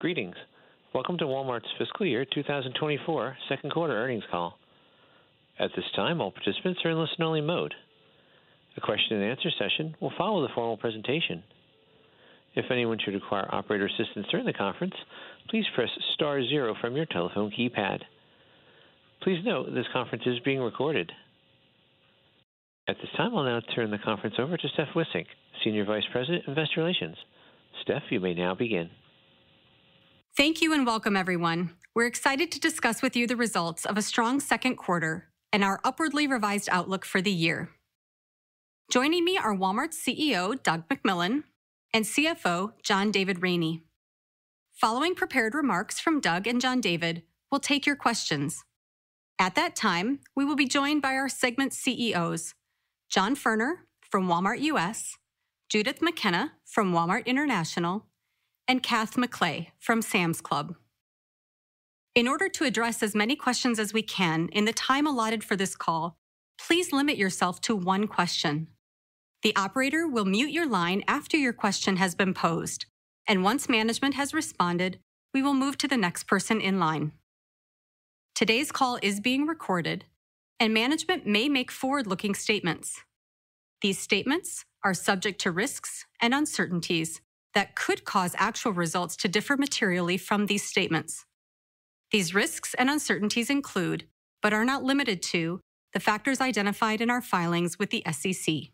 Greetings. Welcome to Walmart's Fiscal Year 2024 Second Quarter Earnings Call. At this time, all participants are in listen-only mode. The question and answer session will follow the formal presentation. If anyone should require operator assistance during the conference, please press star zero from your telephone keypad. Please note, this conference is being recorded. At this time, I'll now turn the conference over to Stephanie Wissink, Senior Vice President, Investor Relations. Steph, you may now begin. Thank you. Welcome, everyone. We're excited to discuss with you the results of a strong second quarter and our upwardly revised outlook for the year. Joining me are Walmart's CEO, Doug McMillon, and CFO, John David Rainey. Following prepared remarks from Doug and John David, we'll take your questions. At that time, we will be joined by our segment CEOs, John Furner from Walmart U.S., Judith McKenna from Walmart International, and Kathryn McLay from Sam's Club. In order to address as many questions as we can in the time allotted for this call, please limit yourself to one question. The operator will mute your line after your question has been posed. Once management has responded, we will move to the next person in line. Today's call is being recorded. Management may make forward-looking statements. These statements are subject to risks and uncertainties that could cause actual results to differ materially from these statements. These risks and uncertainties include, but are not limited to, the factors identified in our filings with the SEC.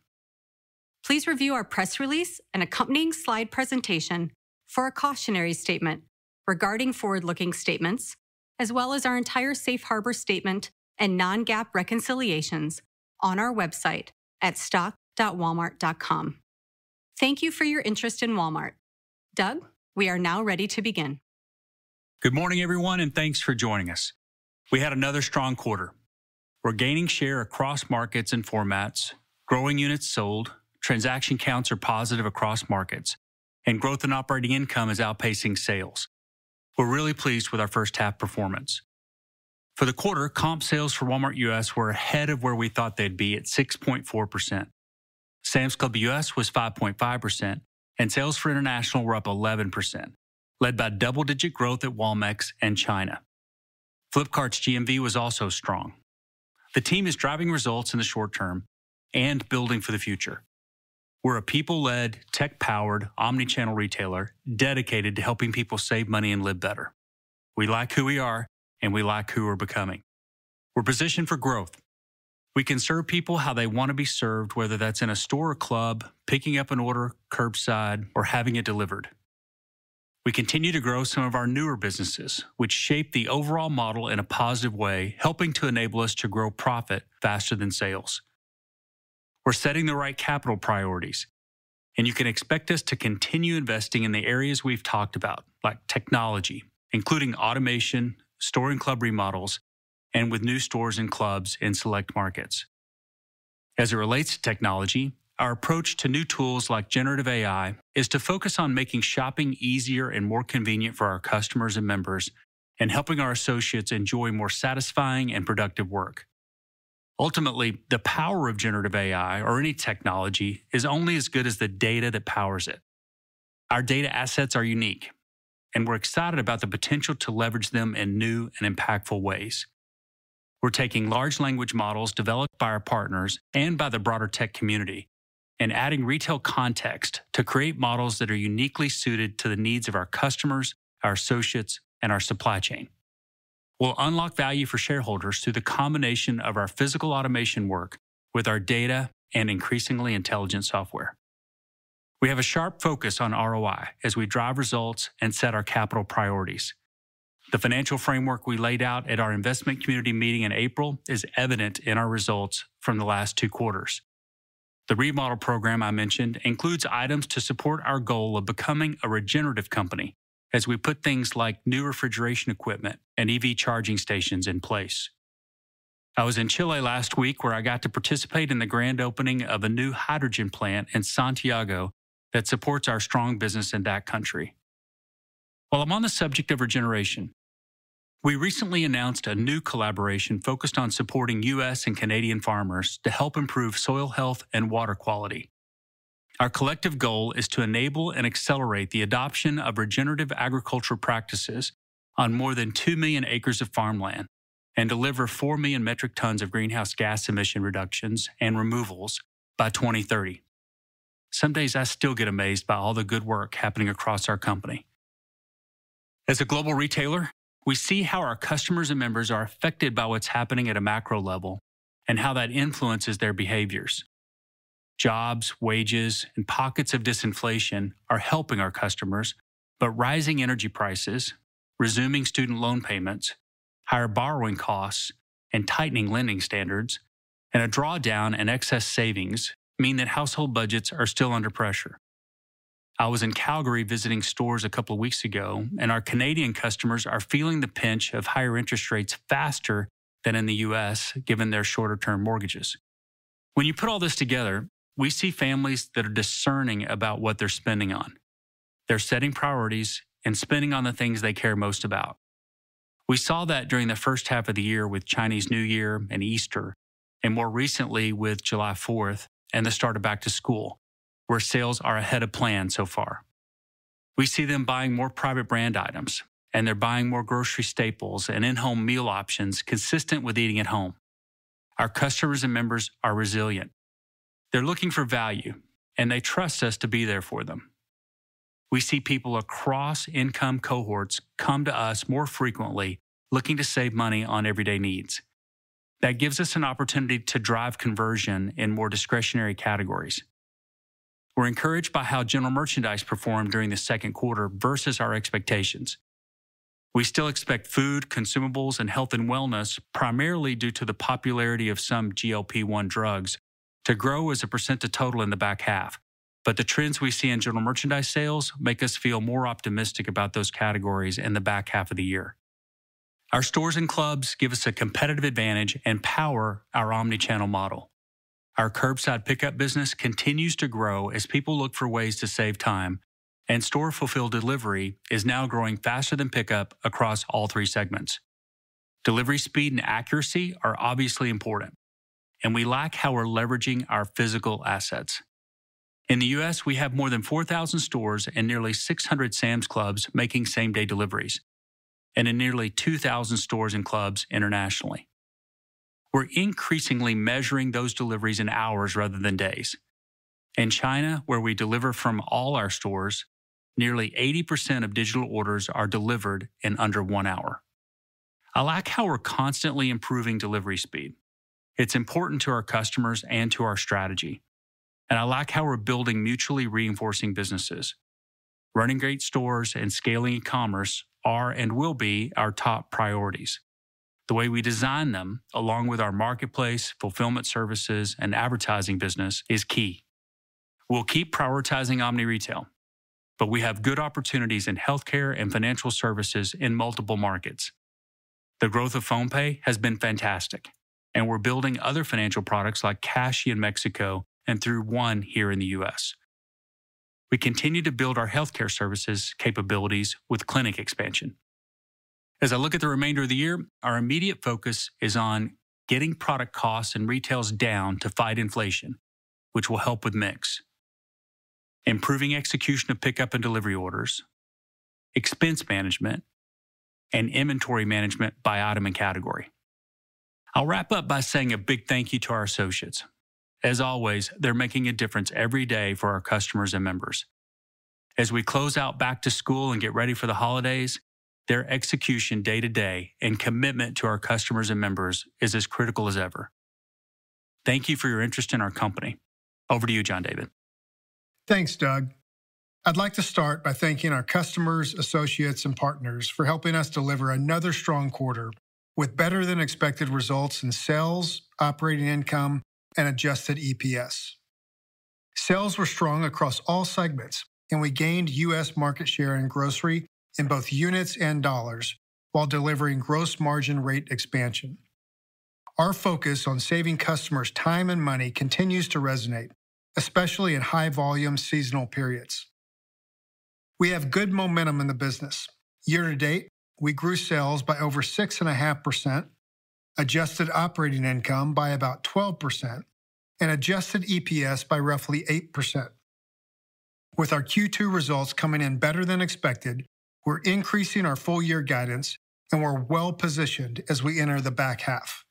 Please review our press release and accompanying slide presentation for a cautionary statement regarding forward-looking statements, as well as our entire safe harbor statement and non-GAAP reconciliations on our website at stock.walmart.com. Thank you for your interest in Walmart. Doug, we are now ready to begin. Good morning, everyone, thanks for joining us. We had another strong quarter. We're gaining share across markets and formats, growing units sold, transaction counts are positive across markets, and growth in operating income is outpacing sales. We're really pleased with our first half performance. For the quarter, comp sales for Walmart U.S. were ahead of where we thought they'd be at 6.4%. Sam's Club U.S. was 5.5%, and sales for international were up 11%, led by double-digit growth at Walmex and China. Flipkart's GMV was also strong. The team is driving results in the short term and building for the future. We're a people-led, tech-powered, omnichannel retailer dedicated to helping people save money and live better. We like who we are, and we like who we're becoming. We're positioned for growth. We can serve people how they want to be served, whether that's in a store or club, picking up an order curbside, or having it delivered. We continue to grow some of our newer businesses, which shape the overall model in a positive way, helping to enable us to grow profit faster than sales. We're setting the right capital priorities. You can expect us to continue investing in the areas we've talked about, like technology, including automation, store and club remodels, and with new stores and clubs in select markets. As it relates to technology, our approach to new tools like generative AI is to focus on making shopping easier and more convenient for our customers and members and helping our associates enjoy more satisfying and productive work. Ultimately, the power of generative AI or any technology is only as good as the data that powers it. Our data assets are unique. We're excited about the potential to leverage them in new and impactful ways. We're taking large language models developed by our partners and by the broader tech community and adding retail context to create models that are uniquely suited to the needs of our customers, our associates, and our supply chain. We'll unlock value for shareholders through the combination of our physical automation work with our data and increasingly intelligent software. We have a sharp focus on ROI as we drive results and set our capital priorities. The financial framework we laid out at our investment community meeting in April is evident in our results from the last two quarters. The remodel program I mentioned includes items to support our goal of becoming a regenerative company as we put things like new refrigeration equipment and EV charging stations in place. I was in Chile last week, where I got to participate in the grand opening of a new hydrogen plant in Santiago that supports our strong business in that country. While I'm on the subject of regeneration, we recently announced a new collaboration focused on supporting U.S. and Canadian farmers to help improve soil health and water quality. Our collective goal is to enable and accelerate the adoption of regenerative agricultural practices on more than two million acres of farmland and deliver four million metric tons of greenhouse gas emission reductions and removals by 2030. Some days I still get amazed by all the good work happening across our company. As a global retailer, we see how our customers and members are affected by what's happening at a macro level and how that influences their behaviors. Jobs, wages, and pockets of disinflation are helping our customers, but rising energy prices, resuming student loan payments, higher borrowing costs and tightening lending standards, and a drawdown in excess savings mean that household budgets are still under pressure. I was in Calgary visiting stores a couple weeks ago. Our Canadian customers are feeling the pinch of higher interest rates faster than in the U.S., given their shorter-term mortgages. When you put all this together, we see families that are discerning about what they're spending on. They're setting priorities and spending on the things they care most about. We saw that during the first half of the year with Chinese New Year and Easter, and more recently with July Fourth and the start of Back to School, where sales are ahead of plan so far. We see them buying more private brand items, and they're buying more grocery staples and in-home meal options consistent with eating at home. Our customers and members are resilient. They're looking for value, and they trust us to be there for them. We see people across income cohorts come to us more frequently, looking to save money on everyday needs. That gives us an opportunity to drive conversion in more discretionary categories. We're encouraged by how general merchandise performed during the second quarter versus our expectations. We still expect food, consumables, and health and wellness, primarily due to the popularity of some GLP-1 drugs, to grow as a % of total in the back half. The trends we see in general merchandise sales make us feel more optimistic about those categories in the back half of the year. Our stores and clubs give us a competitive advantage and power our omnichannel model. Our curbside pickup business continues to grow as people look for ways to save time, and store-fulfilled delivery is now growing faster than pickup across all three segments. Delivery speed and accuracy are obviously important, and we like how we're leveraging our physical assets. In the U.S., we have more than 4,000 stores and nearly 600 Sam's Clubs making same-day deliveries, and in nearly 2,000 stores and clubs internationally. We're increasingly measuring those deliveries in hours rather than days. In China, where we deliver from all our stores, nearly 80% of digital orders are delivered in under one hour. I like how we're constantly improving delivery speed. It's important to our customers and to our strategy, and I like how we're building mutually reinforcing businesses. Running great stores and scaling commerce are and will be our top priorities. The way we design them, along with our marketplace, fulfillment services, and advertising business, is key. We'll keep prioritizing omni-retail, but we have good opportunities in healthcare and financial services in multiple markets. The growth of PhonePe has been fantastic, and we're building other financial products like Cashi in Mexico and through One here in the U.S. We continue to build our healthcare services capabilities with clinic expansion. As I look at the remainder of the year, our immediate focus is on getting product costs and retails down to fight inflation, which will help with mix, improving execution of pickup and delivery orders, expense management, and inventory management by item and category. I'll wrap up by saying a big thank you to our associates. As always, they're making a difference every day for our customers and members. As we close out Back to School and get ready for the holidays, their execution day to day and commitment to our customers and members is as critical as ever. Thank you for your interest in our company. Over to you, John David. Thanks, Doug. I'd like to start by thanking our customers, associates, and partners for helping us deliver another strong quarter with better-than-expected results in sales, operating income, and adjusted EPS. Sales were strong across all segments, and we gained U.S. market share in grocery in both units and dollars while delivering gross margin rate expansion. Our focus on saving customers time and money continues to resonate, especially in high-volume seasonal periods. We have good momentum in the business. Year to date, we grew sales by over 6.5%, adjusted operating income by about 12%, and adjusted EPS by roughly 8%. With our Q2 results coming in better than expected, we're increasing our full-year guidance, and we're well-positioned as we enter the back half.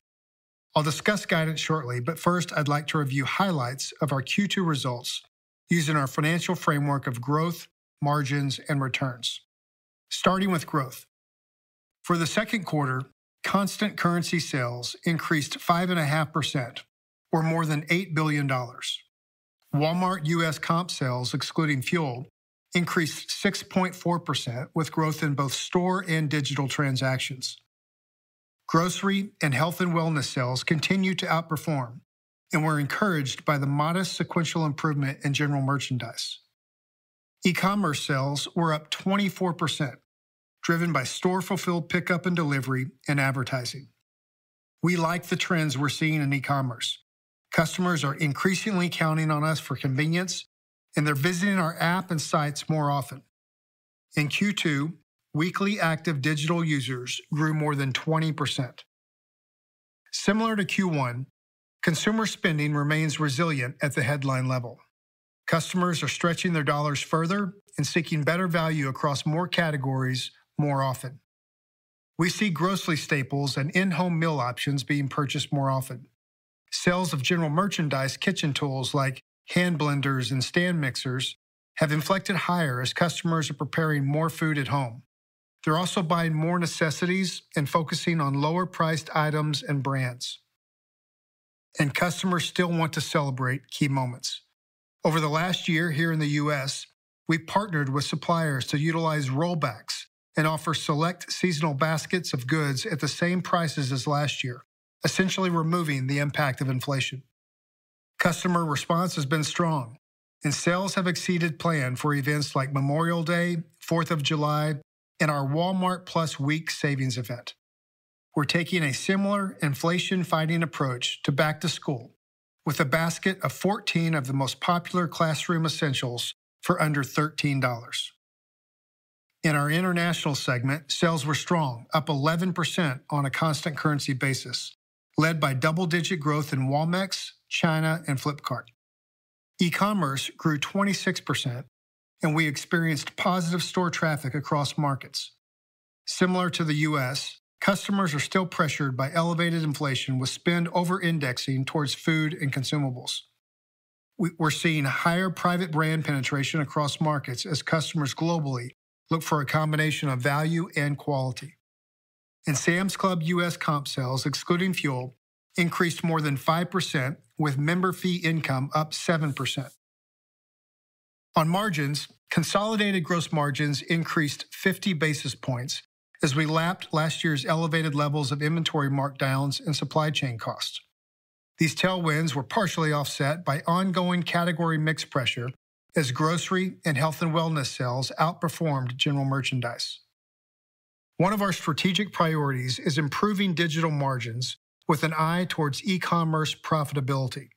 I'll discuss guidance shortly. First, I'd like to review highlights of our Q2 results using our financial framework of growth, margins, and returns. Starting with growth. For the second quarter, constant currency sales increased 5.5% or more than $8 billion. Walmart U.S. comp sales, excluding fuel, increased 6.4%, with growth in both store and digital transactions. Grocery and health and wellness sales continued to outperform. We're encouraged by the modest sequential improvement in general merchandise. E-commerce sales were up 24%, driven by store-fulfilled pickup and delivery and advertising. We like the trends we're seeing in e-commerce. Customers are increasingly counting on us for convenience. They're visiting our app and sites more often. In Q2, weekly active digital users grew more than 20%. Similar to Q1, consumer spending remains resilient at the headline level. Customers are stretching their dollars further and seeking better value across more categories more often. We see grocery staples and in-home meal options being purchased more often. Sales of general merchandise kitchen tools, like hand blenders and stand mixers, have inflected higher as customers are preparing more food at home. They're also buying more necessities and focusing on lower-priced items and brands. Customers still want to celebrate key moments. Over the last year here in the U.S., we've partnered with suppliers to utilize Rollbacks and offer select seasonal baskets of goods at the same prices as last year, essentially removing the impact of inflation. Customer response has been strong, and sales have exceeded plan for events like Memorial Day, Fourth of July, and our Walmart+ Week Savings event. We're taking a similar inflation-fighting approach to Back to School, with a basket of 14 of the most popular classroom essentials for under $13. In our international segment, sales were strong, up 11% on a constant currency basis, led by double-digit growth in Walmex, China, and Flipkart. E-commerce grew 26%, we experienced positive store traffic across markets. Similar to the U.S., customers are still pressured by elevated inflation, with spend over-indexing towards food and consumables. We're seeing a higher private brand penetration across markets as customers globally look for a combination of value and quality. In Sam's Club, U.S. comp sales, excluding fuel, increased more than 5%, with member fee income up 7%. On margins, consolidated gross margins increased 50 basis points as we lapped last year's elevated levels of inventory markdowns and supply chain costs. These tailwinds were partially offset by ongoing category mix pressure as grocery and health and wellness sales outperformed general merchandise. One of our strategic priorities is improving digital margins with an eye towards e-commerce profitability.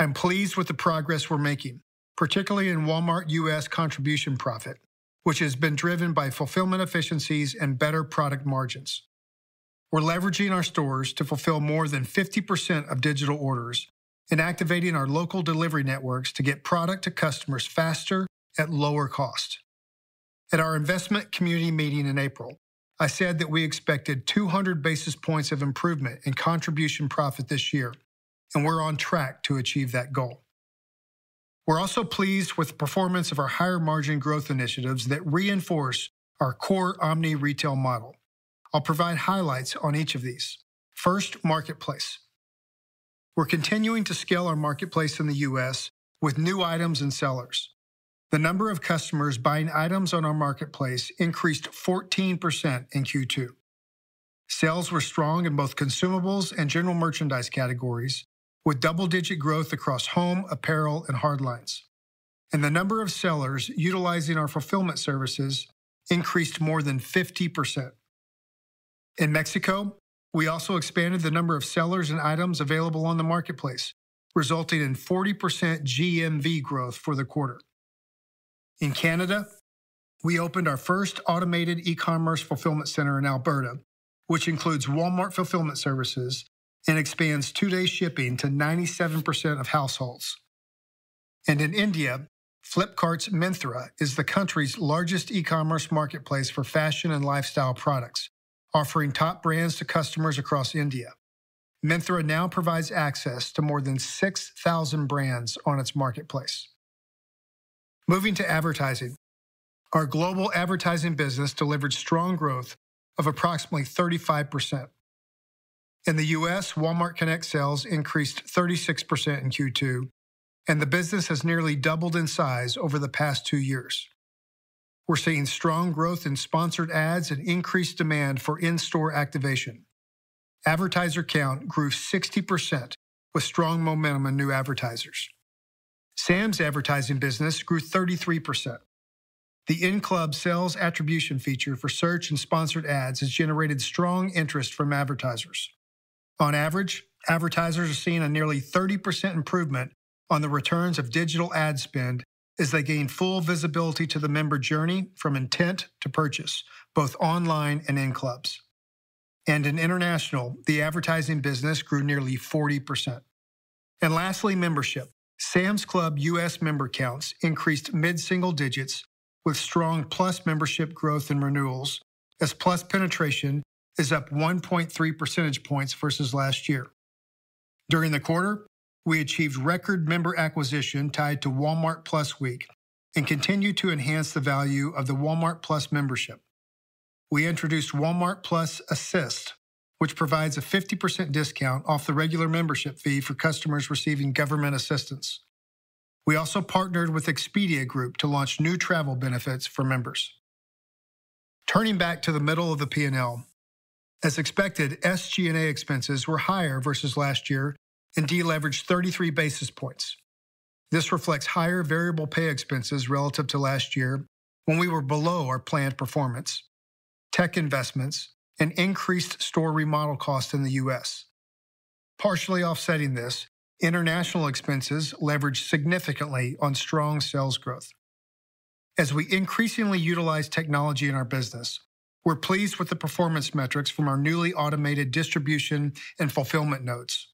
I'm pleased with the progress we're making, particularly in Walmart U.S. contribution profit, which has been driven by fulfillment efficiencies and better product margins. We're leveraging our stores to fulfill more than 50% of digital orders and activating our local delivery networks to get product to customers faster at lower cost. At our investment community meeting in April, I said that we expected 200 basis points of improvement in contribution profit this year. We're on track to achieve that goal. We're also pleased with the performance of our higher-margin growth initiatives that reinforce our core omni-retail model. I'll provide highlights on each of these. First, Marketplace. We're continuing to scale our marketplace in the U.S. with new items and sellers. The number of customers buying items on our marketplace increased 14% in Q2. Sales were strong in both consumables and general merchandise categories, with double-digit growth across home, apparel, and hard lines. The number of sellers utilizing our Fulfillment Services increased more than 50%. In Mexico, we also expanded the number of sellers and items available on the marketplace, resulting in 40% GMV growth for the quarter. In Canada, we opened our first automated e-commerce fulfillment center in Alberta, which includes Walmart Fulfillment Services and expands two-day shipping to 97% of households. In India, Flipkart's Myntra is the country's largest e-commerce marketplace for fashion and lifestyle products, offering top brands to customers across India. Myntra now provides access to more than 6,000 brands on its marketplace. Moving to advertising, our global advertising business delivered strong growth of approximately 35%. In the U.S., Walmart Connect sales increased 36% in Q2, and the business has nearly doubled in size over the past two years. We're seeing strong growth in sponsored ads and increased demand for in-store activation. Advertiser count grew 60%, with strong momentum in new advertisers. Sam's advertising business grew 33%. The in-club sales attribution feature for search and sponsored ads has generated strong interest from advertisers. On average, advertisers are seeing a nearly 30% improvement on the returns of digital ad spend as they gain full visibility to the member journey from intent to purchase, both online and in clubs. In International, the advertising business grew nearly 40%. Lastly, membership. Sam's Club U.S. member counts increased mid-single digits with strong Plus membership growth and renewals, as Plus penetration is up 1.3 percentage points versus last year. During the quarter, we achieved record member acquisition tied to Walmart+ Week and continued to enhance the value of the Walmart+ membership. We introduced Walmart+ Assist, which provides a 50% discount off the regular membership fee for customers receiving government assistance. We also partnered with Expedia Group to launch new travel benefits for members. Turning back to the middle of the P&L, as expected, SG&A expenses were higher versus last year and deleveraged 33 basis points. This reflects higher variable pay expenses relative to last year when we were below our planned performance, tech investments, and increased store remodel costs in the U.S. Partially offsetting this, international expenses leveraged significantly on strong sales growth. As we increasingly utilize technology in our business, we're pleased with the performance metrics from our newly automated distribution and fulfillment nodes.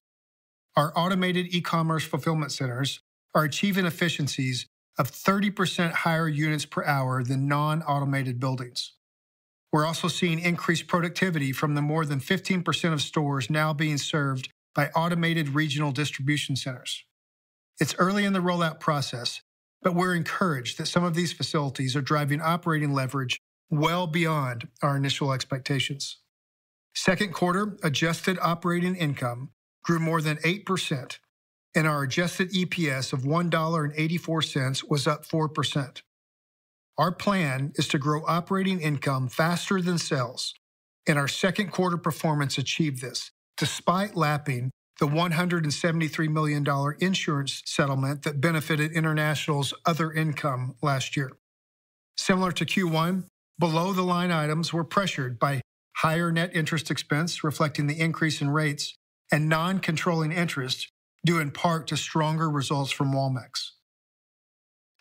Our automated e-commerce fulfillment centers are achieving efficiencies of 30% higher units per hour than non-automated buildings. We're also seeing increased productivity from the more than 15% of stores now being served by automated regional distribution centers. It's early in the rollout process, but we're encouraged that some of these facilities are driving operating leverage well beyond our initial expectations. Second quarter adjusted operating income grew more than 8%, and our adjusted EPS of $1.84 was up 4%. Our plan is to grow operating income faster than sales, and our second quarter performance achieved this, despite lapping the $173 million insurance settlement that benefited International's other income last year. Similar to Q1, below-the-line items were pressured by higher net interest expense, reflecting the increase in rates and non-controlling interest, due in part to stronger results from Walmex.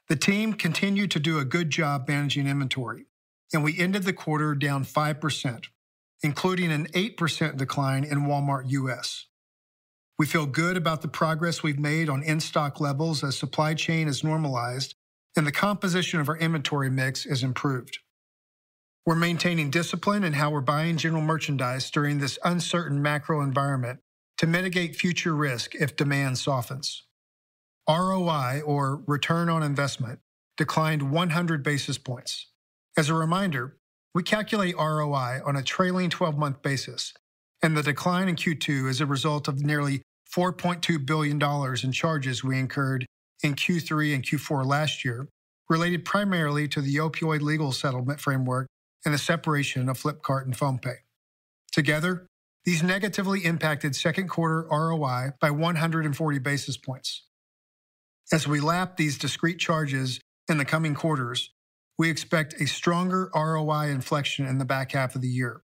The team continued to do a good job managing inventory, and we ended the quarter down 5%, including an 8% decline in Walmart U.S. We feel good about the progress we've made on in-stock levels as supply chain is normalized and the composition of our inventory mix is improved. We're maintaining discipline in how we're buying general merchandise during this uncertain macro environment to mitigate future risk if demand softens. ROI, or return on investment, declined 100 basis points. As a reminder, we calculate ROI on a trailing 12-month basis, and the decline in Q2 is a result of nearly $4.2 billion in charges we incurred in Q3 and Q4 last year, related primarily to the opioid legal settlement framework and the separation of Flipkart and PhonePe. Together, these negatively impacted second quarter ROI by 140 basis points. As we lap these discrete charges in the coming quarters, we expect a stronger ROI inflection in the back half of the year.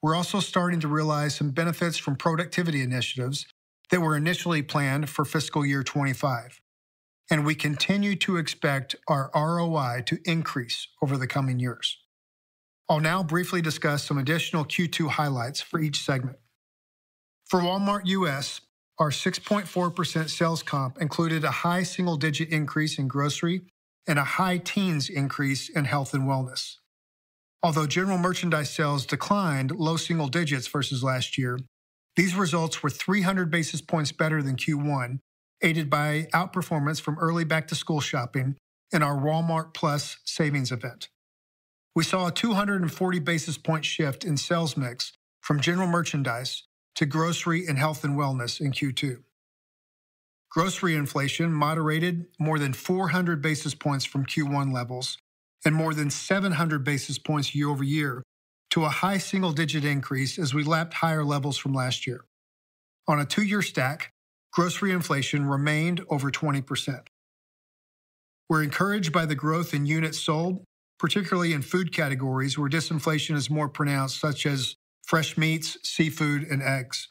We're also starting to realize some benefits from productivity initiatives that were initially planned for fiscal year 2025, and we continue to expect our ROI to increase over the coming years. I'll now briefly discuss some additional Q2 highlights for each segment. For Walmart U.S., our 6.4% sales comp included a high single-digit increase in grocery and a high teens increase in health and wellness. Although general merchandise sales declined low single digits versus last year, these results were 300 basis points better than Q1, aided by outperformance from early back-to-school shopping and our Walmart+ savings event. We saw a 240 basis point shift in sales mix from general merchandise to grocery and health and wellness in Q2. Grocery inflation moderated more than 400 basis points from Q1 levels and more than 700 basis points year-over-year to a high single-digit increase as we lapped higher levels from last year. On a two-year stack, grocery inflation remained over 20%. We're encouraged by the growth in units sold, particularly in food categories, where disinflation is more pronounced, such as fresh meats, seafood, and eggs.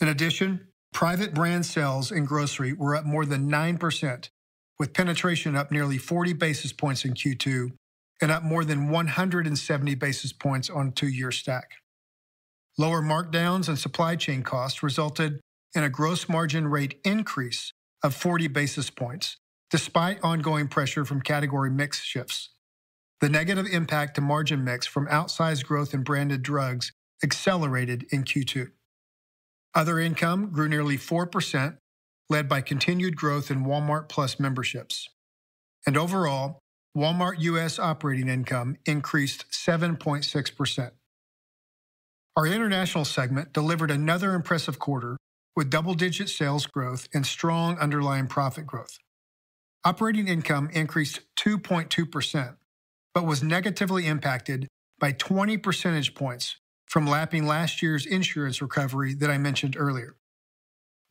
In addition, private brand sales in grocery were up more than 9%, with penetration up nearly 40 basis points in Q2 and up more than 170 basis points on two-year stack. Lower markdowns and supply chain costs resulted in a gross margin rate increase of 40 basis points, despite ongoing pressure from category mix shifts. The negative impact to margin mix from outsized growth in branded drugs accelerated in Q2. Other income grew nearly 4%, led by continued growth in Walmart+ memberships. Overall, Walmart U.S. operating income increased 7.6%. Our international segment delivered another impressive quarter, with double-digit sales growth and strong underlying profit growth. Operating income increased 2.2%. Was negatively impacted by 20 percentage points from lapping last year's insurance recovery that I mentioned earlier.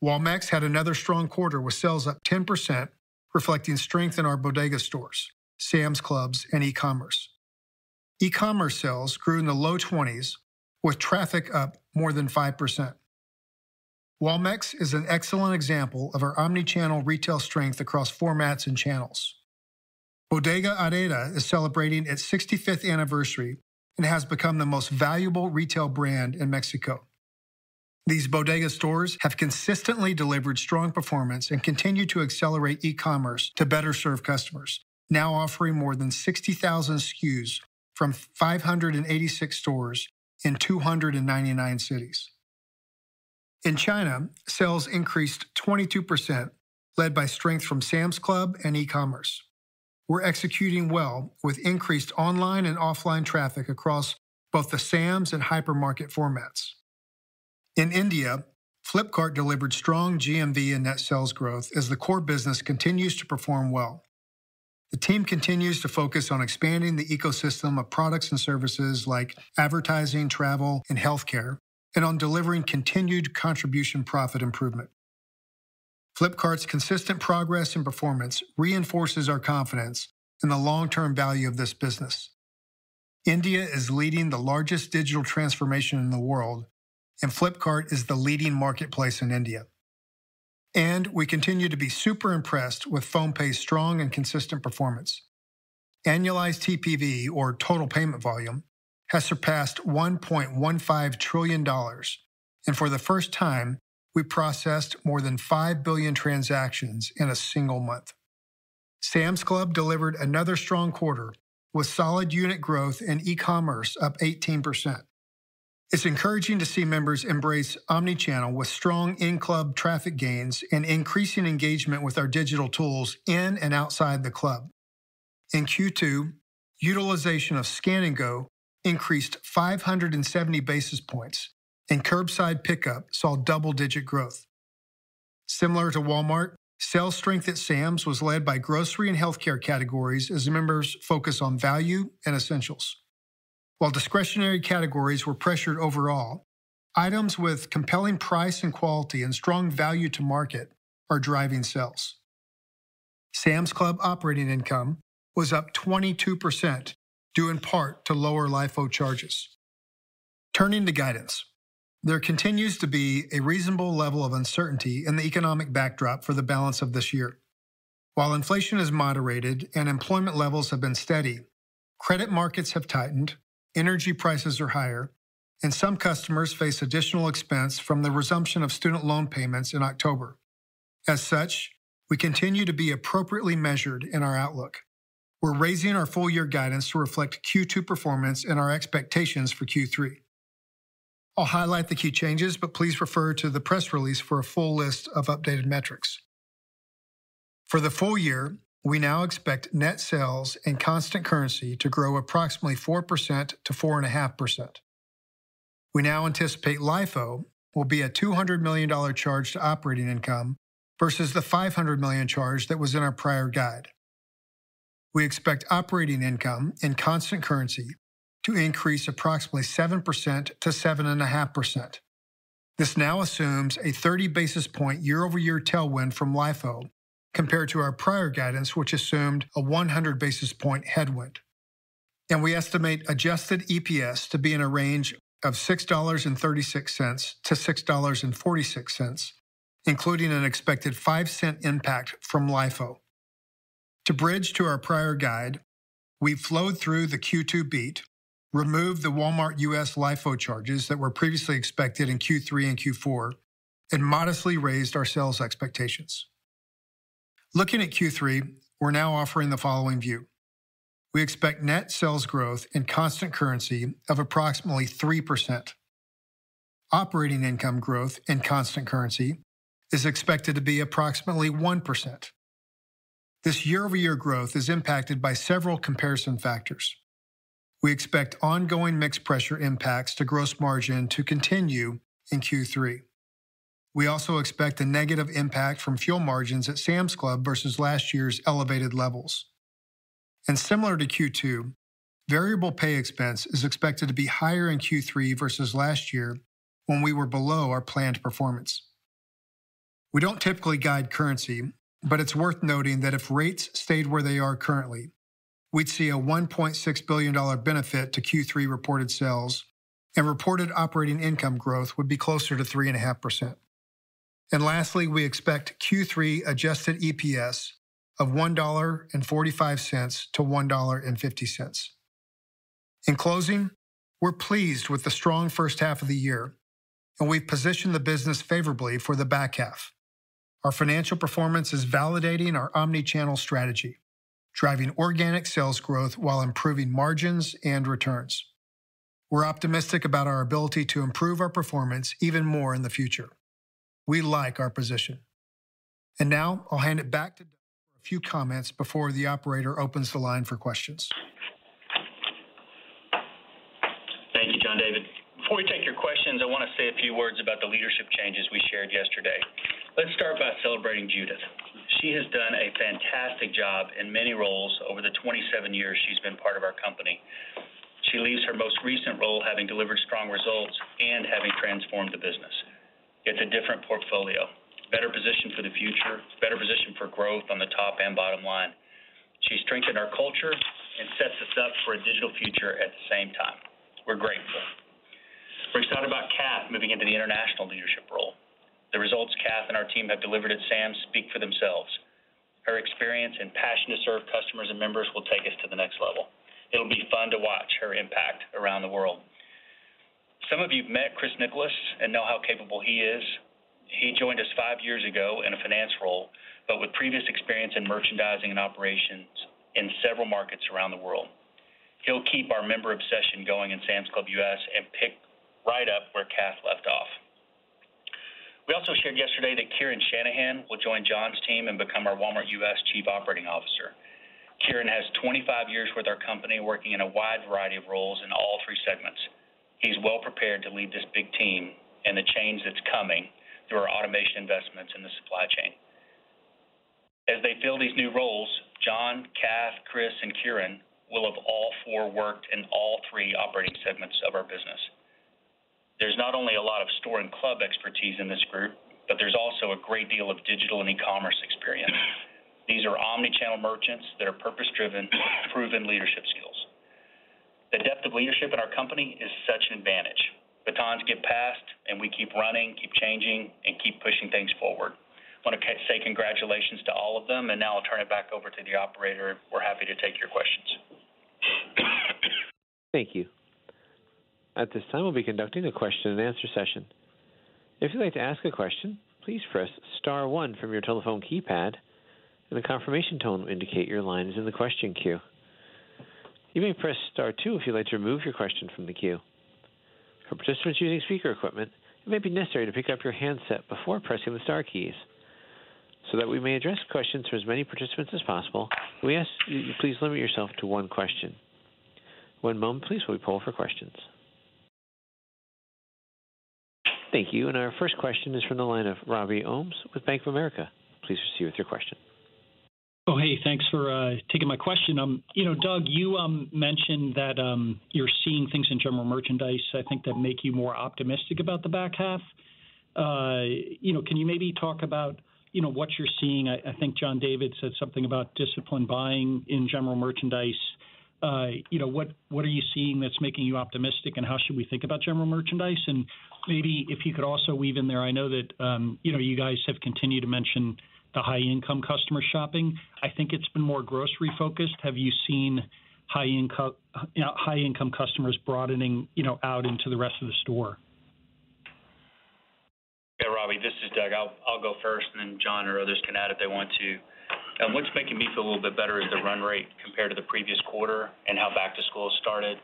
Walmex had another strong quarter, with sales up 10%, reflecting strength in our Bodega stores, Sam's Clubs, and e-commerce. E-commerce sales grew in the low 20s, with traffic up more than 5%. Walmex is an excellent example of our omnichannel retail strength across formats and channels. Bodega Aurrera is celebrating its 65th anniversary and has become the most valuable retail brand in Mexico. These Bodega stores have consistently delivered strong performance and continue to accelerate e-commerce to better serve customers, now offering more than 60,000 SKUs from 586 stores in 299 cities. In China, sales increased 22%, led by strength from Sam's Club and e-commerce. We're executing well with increased online and offline traffic across both the Sam's and hypermarket formats. In India, Flipkart delivered strong GMV and net sales growth as the core business continues to perform well. The team continues to focus on expanding the ecosystem of products and services like advertising, travel, and healthcare, and on delivering continued contribution profit improvement. Flipkart's consistent progress and performance reinforces our confidence in the long-term value of this business. India is leading the largest digital transformation in the world, and Flipkart is the leading marketplace in India. We continue to be super impressed with PhonePe's strong and consistent performance. Annualized TPV, or total payment volume, has surpassed $1.15 trillion, and for the first time, we processed more than 5 billion transactions in a single month. Sam's Club delivered another strong quarter, with solid unit growth and e-commerce up 18%. It's encouraging to see members embrace omnichannel with strong in-club traffic gains and increasing engagement with our digital tools in and outside the club. In Q2, utilization of Scan & Go increased 570 basis points, and curbside pickup saw double-digit growth. Similar to Walmart, sales strength at Sam's was led by grocery and healthcare categories as members focus on value and essentials. While discretionary categories were pressured overall, items with compelling price and quality and strong value to market are driving sales. Sam's Club operating income was up 22%, due in part to lower LIFO charges. Turning to guidance. There continues to be a reasonable level of uncertainty in the economic backdrop for the balance of this year. While inflation has moderated and employment levels have been steady, credit markets have tightened, energy prices are higher, and some customers face additional expense from the resumption of student loan payments in October. As such, we continue to be appropriately measured in our outlook. We're raising our full year guidance to reflect Q2 performance and our expectations for Q3. I'll highlight the key changes, but please refer to the press release for a full list of updated metrics. For the full year, we now expect net sales and constant currency to grow approximately 4%-4.5%. We now anticipate LIFO will be a $200 million charge to operating income versus the $500 million charge that was in our prior guide. We expect operating income in constant currency to increase approximately 7%-7.5%. This now assumes a 30 basis point year-over-year tailwind from LIFO compared to our prior guidance, which assumed a 100 basis point headwind. We estimate adjusted EPS to be in a range of $6.36-$6.46, including an expected $0.05 impact from LIFO. To bridge to our prior guide, we flowed through the Q2 beat, removed the Walmart U.S. LIFO charges that were previously expected in Q3 and Q4, and modestly raised our sales expectations. Looking at Q3, we're now offering the following view: We expect net sales growth in constant currency of approximately 3%. Operating income growth in constant currency is expected to be approximately 1%. This year-over-year growth is impacted by several comparison factors. We expect ongoing mix pressure impacts to gross margin to continue in Q3. We also expect a negative impact from fuel margins at Sam's Club versus last year's elevated levels. Similar to Q2, variable pay expense is expected to be higher in Q3 versus last year when we were below our planned performance. We don't typically guide currency, but it's worth noting that if rates stayed where they are currently, we'd see a $1.6 billion benefit to Q3 reported sales, and reported operating income growth would be closer to 3.5%. Lastly, we expect Q3 adjusted EPS of $1.45-$1.50. In closing, we're pleased with the strong first half of the year, and we've positioned the business favorably for the back half. Our financial performance is validating our omnichannel strategy, driving organic sales growth while improving margins and returns. We're optimistic about our ability to improve our performance even more in the future. We like our position. Now I'll hand it back to Doug for a few comments before the operator opens the line for questions. Thank you, John David. Before we take your questions, I want to say a few words about the leadership changes we shared yesterday. Let's start by celebrating Judith. She has done a fantastic job in many roles over the 27 years she's been part of our company. She leaves her most recent role, having delivered strong results and having transformed the business. It's a different portfolio, better positioned for the future, better positioned for growth on the top and bottom line. She's strengthened our culture and sets us up for a digital future at the same time. We're grateful. We're excited about Kath moving into the international leadership role. The results Kath and our team have delivered at Sam's speak for themselves. Her experience and passion to serve customers and members will take us to the next level. It'll be fun to watch her impact around the world. Some of you've met Chris Nicholas and know how capable he is. He joined us five years ago in a finance role, but with previous experience in merchandising and operations in several markets around the world. He'll keep our member obsession going in Sam's Club U.S. and pick right up where Kath left off. We also shared yesterday that Kieran Shanahan will join John's team and become our Walmart U.S. Chief Operating Officer. Kieran has 25 years with our company, working in a wide variety of roles in all three segments. He's well prepared to lead this big team and the change that's coming through our automation investments in the supply chain. As they fill these new roles, John, Kath, Chris, and Kieran will have all four worked in all three operating segments of our business. There's not only a lot of store and club expertise in this group, but there's also a great deal of digital and e-commerce experience. These are omnichannel merchants that are purpose-driven, proven leadership skills. The depth of leadership in our company is such an advantage. Batons get passed, and we keep running, keep changing, and keep pushing things forward. I want to say congratulations to all of them, and now I'll turn it back over to the operator. We're happy to take your questions. Thank you. At this time, we'll be conducting a question and answer session. If you'd like to ask a question, please press star one from your telephone keypad, and a confirmation tone will indicate your line is in the question queue. You may press star two if you'd like to remove your question from the queue. For participants using speaker equipment, it may be necessary to pick up your handset before pressing the star keys. That we may address questions to as many participants as possible, we ask you please limit yourself to one question. One moment, please, while we poll for questions. Thank you. Our first question is from the line of Robert Ohmes with Bank of America. Please proceed with your question. Oh, hey, thanks for taking my question. You know, Doug, you mentioned that you're seeing things in general merchandise, I think, that make you more optimistic about the back half. You know, can you maybe talk about, you know, what you're seeing? I, I think John David said something about discipline buying in general merchandise. You know, what, what are you seeing that's making you optimistic, and how should we think about general merchandise? Maybe if you could also weave in there, I know that, you know, you guys have continued to mention the high-income customer shopping. I think it's been more grocery focused. Have you seen high-income, you know, high-income customers broadening, you know, out into the rest of the store? Yeah, Robbie, this is Doug. I'll go first, and then John or others can add if they want to. What's making me feel a little bit better is the run rate compared to the previous quarter and how Back to School started.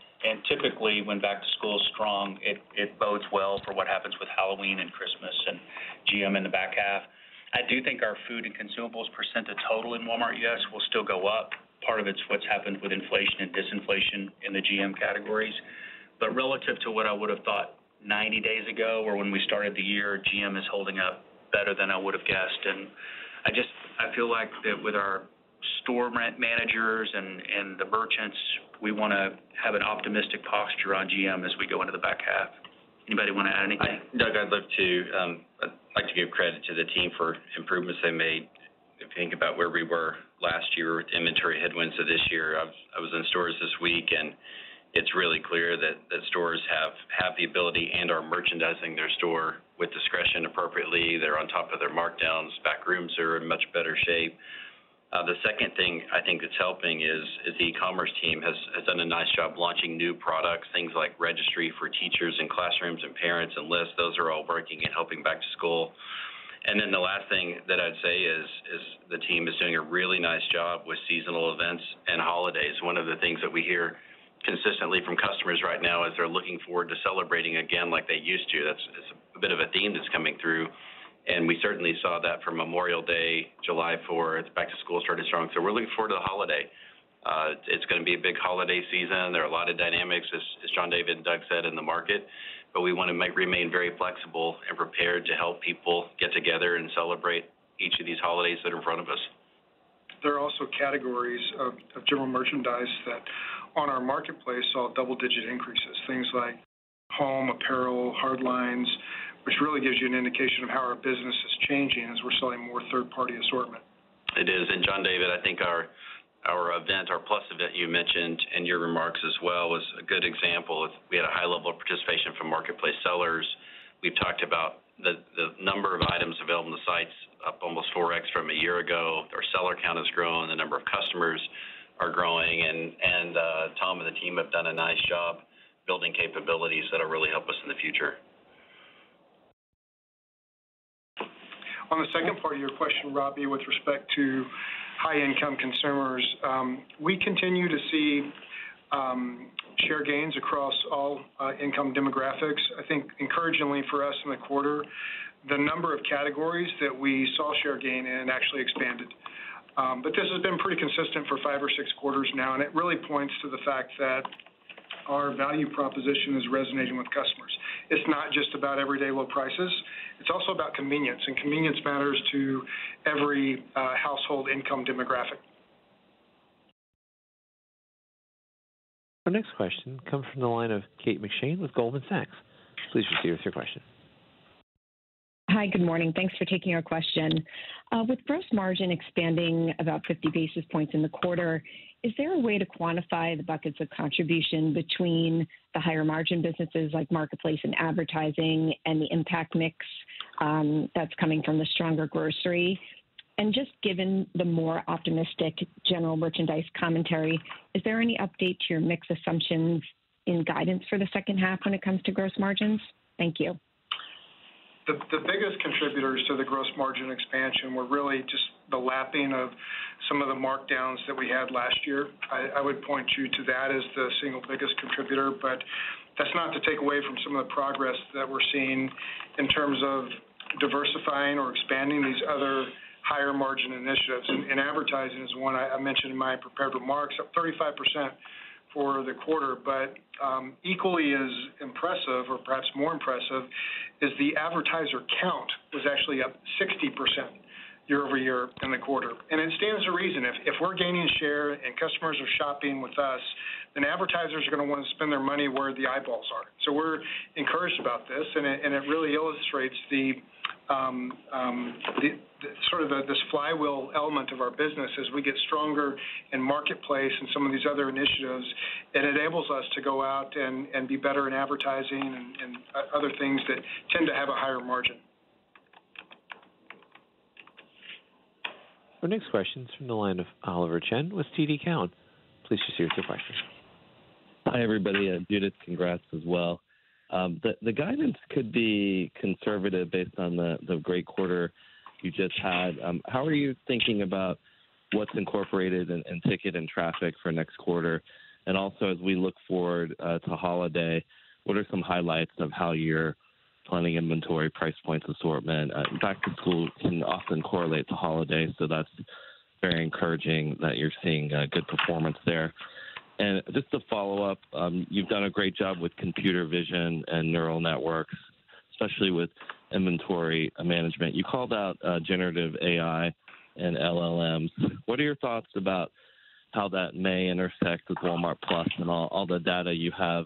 Typically, when Back to school is strong, it bodes well for what happens with Halloween and Christmas and GM in the back half. I do think our food and consumables % of total in Walmart U.S. will still go up. Part of it's what's happened with inflation and disinflation in the GM categories. Relative to what I would have thought 90 days ago or when we started the year, GM is holding up better than I would have guessed. I feel like that with our store managers and the merchants, we want to have an optimistic posture on GM as we go into the back half. Anybody want to add anything? Doug, I'd love to, I'd like to give credit to the team for improvements they made. If you think about where we were last year with inventory headwinds to this year. I, I was in stores this week, and it's really clear that, that stores have, have the ability and are merchandising their store with discretion appropriately. They're on top of their markdowns. Back rooms are in much better shape. The second thing I think that's helping is, is the e-commerce team has, has done a nice job launching new products, things like registry for teachers and classrooms and parents and lists. Those are all working and helping Back to School. The last thing that I'd say is, is the team is doing a really nice job with seasonal events and holidays. One of the things that we hear consistently from customers right now is they're looking forward to celebrating again like they used to. That's, it's a bit of a theme that's coming through. We certainly saw that from Memorial Day, July Fourth. Back to School started strong. We're looking forward to the holiday. It's going to be a big holiday season. There are a lot of dynamics, as, as John David and Doug said, in the market. We want to remain very flexible and prepared to help people get together and celebrate each of these holidays that are in front of us. There are also categories of general merchandise that on our marketplace, saw double-digit increases, things like home apparel, hard lines, which really gives you an indication of how our business is changing as we're selling more third-party assortment. It is, and John David, I think our, our event, our Plus event you mentioned in your remarks as well, was a good example of we had a high level of participation from marketplace sellers. We've talked about the, the number of items available on the sites, up almost 4x from a year ago. Our seller count has grown, the number of customers are growing, and, and, Tom and the team have done a nice job building capabilities that'll really help us in the future. On the second part of your question, Robbie, with respect to high-income consumers, we continue to see share gains across all income demographics. I think encouragingly for us in the quarter, the number of categories that we saw share gain in actually expanded. This has been pretty consistent for five or six quarters now, and it really points to the fact that our value proposition is resonating with customers. It's not just about everyday low prices, it's also about convenience, and convenience matters to every household income demographic. Our next question comes from the line of Kate McShane with Goldman Sachs. Please proceed with your question. Hi, good morning. Thanks for taking our question. With gross margin expanding about 50 basis points in the quarter, is there a way to quantify the buckets of contribution between the higher margin businesses like marketplace and advertising and the impact mix that's coming from the stronger grocery? Just given the more optimistic general merchandise commentary, is there any update to your mix assumptions in guidance for the second half when it comes to gross margins? Thank you. The biggest contributors to the gross margin expansion were really just the lapping of some of the markdowns that we had last year. I would point you to that as the single biggest contributor, but that's not to take away from some of the progress that we're seeing in terms of diversifying or expanding these other higher margin initiatives. Advertising is one I mentioned in my prepared remarks, up 35% for the quarter, but equally as impressive or perhaps more impressive, is the advertiser count was actually up 60% year over year in the quarter. It stands to reason. If we're gaining share and customers are shopping with us, then advertisers are going to want to spend their money where the eyeballs are. We're encouraged about this, and it, and it really illustrates the, the, sort of the, this flywheel element of our business as we get stronger in marketplace and some of these other initiatives. It enables us to go out and, and be better in advertising and, and other things that tend to have a higher margin. Our next question is from the line of Oliver Chen with TD Cowen. Please proceed with your question. Hi, everybody, and Judith, congrats as well. The guidance could be conservative based on the great quarter you just had. How are you thinking about what's incorporated in ticket and traffic for next quarter? Also, as we look forward to holiday, what are some highlights of how you're planning inventory, price points, assortment? Back to school can often correlate to holiday, so that's very encouraging that you're seeing good performance there. Just to follow up, you've done a great job with computer vision and neural networks, especially with inventory management. You called out, generative AI and LLMs. What are your thoughts about how that may intersect with Walmart+ and all, all the data you have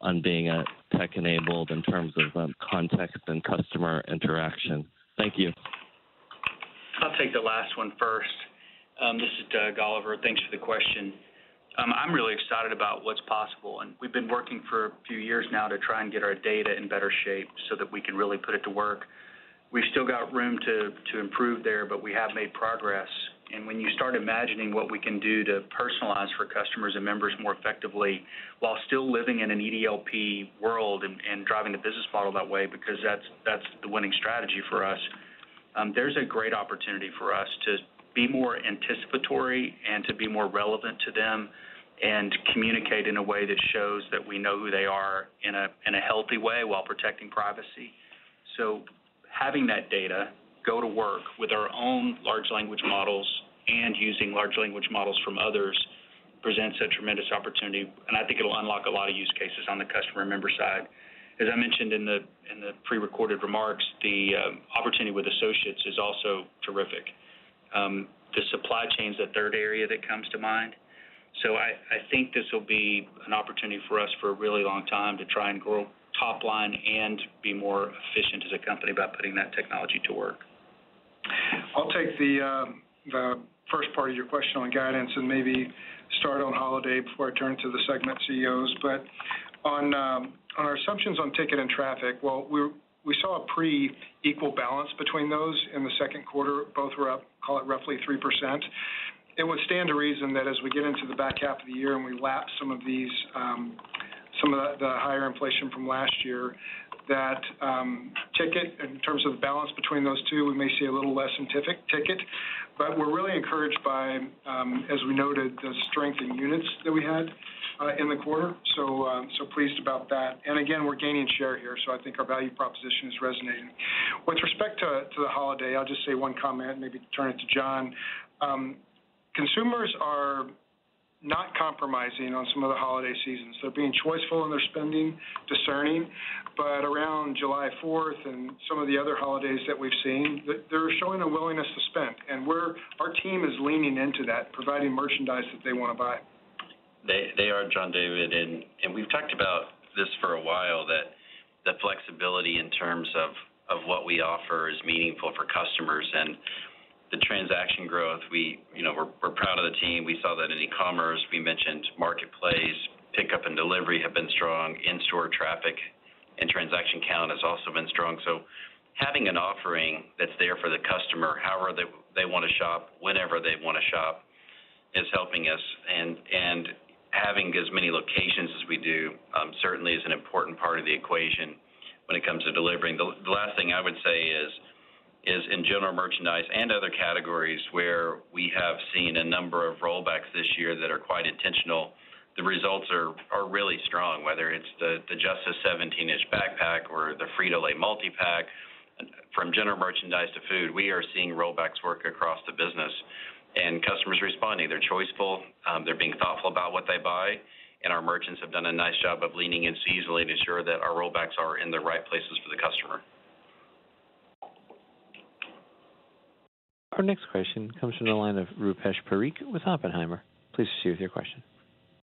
on being a tech-enabled in terms of, context and customer interaction? Thank you. I'll take the last one first. This is Doug Oliver. Thanks for the question. I'm really excited about what's possible. We've been working for a few years now to try and get our data in better shape so that we can really put it to work. We've still got room to, to improve there, but we have made progress. When you start imagining what we can do to personalize for customers and members more effectively, while still living in an EDLP world and, and driving the business model that way, because that's, that's the winning strategy for us. There's a great opportunity for us to be more anticipatory and to be more relevant to them, and communicate in a way that shows that we know who they are in a, in a healthy way while protecting privacy. Having that data go to work with our own large language models and using large language models from others, presents a tremendous opportunity, and I think it'll unlock a lot of use cases on the customer member side. As I mentioned in the prerecorded remarks, the opportunity with associates is also terrific. The supply chain is the third area that comes to mind. I, I think this will be an opportunity for us for a really long time to try and grow top line and be more efficient as a company about putting that technology to work. I'll take the first part of your question on guidance and maybe start on holiday before I turn to the segment CEOs. On our assumptions on ticket and traffic, well, we saw a pre equal balance between those in the second quarter. Both were up, call it roughly 3%. It would stand to reason that as we get into the back half of the year, and we lap some of these, some of the higher inflation from last year, that ticket, in terms of the balance between those two, we may see a little less than ticket. We're really encouraged by, as we noted, the strength in units that we had in the quarter, so, I'm so pleased about that. Again, we're gaining share here, so I think our value proposition is resonating. With respect to the holiday, I'll just say one comment, maybe turn it to John. Consumers are not compromising on some of the holiday seasons. They're being choiceful in their spending, discerning, around July Fourth and some of the other holidays that we've seen, they're, they're showing a willingness to spend, and our team is leaning into that, providing merchandise that they want to buy. They are, John David, we've talked about this for a while, that the flexibility in terms of what we offer is meaningful for customers and the transaction growth. We, you know, we're proud of the team. We saw that in e-commerce, we mentioned marketplace, pickup and delivery have been strong, in-store traffic and transaction count has also been strong. Having an offering that's there for the customer, however they want to shop, whenever they want to shop, is helping us. Having as many locations as we do, certainly is an important part of the equation when it comes to delivering. Last thing I would say in general, merchandise and other categories where we have seen a number of Rollbacks this year that are quite intentional, the results are really strong, whether it's the Justice 17-inch backpack or the Frito-Lay multipack. From general merchandise to food, we are seeing Rollbacks work across the business, and customers responding. They're choiceful, they're being thoughtful about what they buy, and our merchants have done a nice job of leaning in seasonally to ensure that our Rollbacks are in the right places for the customer. Our next question comes from the line of Rupesh Parikh with Oppenheimer. Please share your question.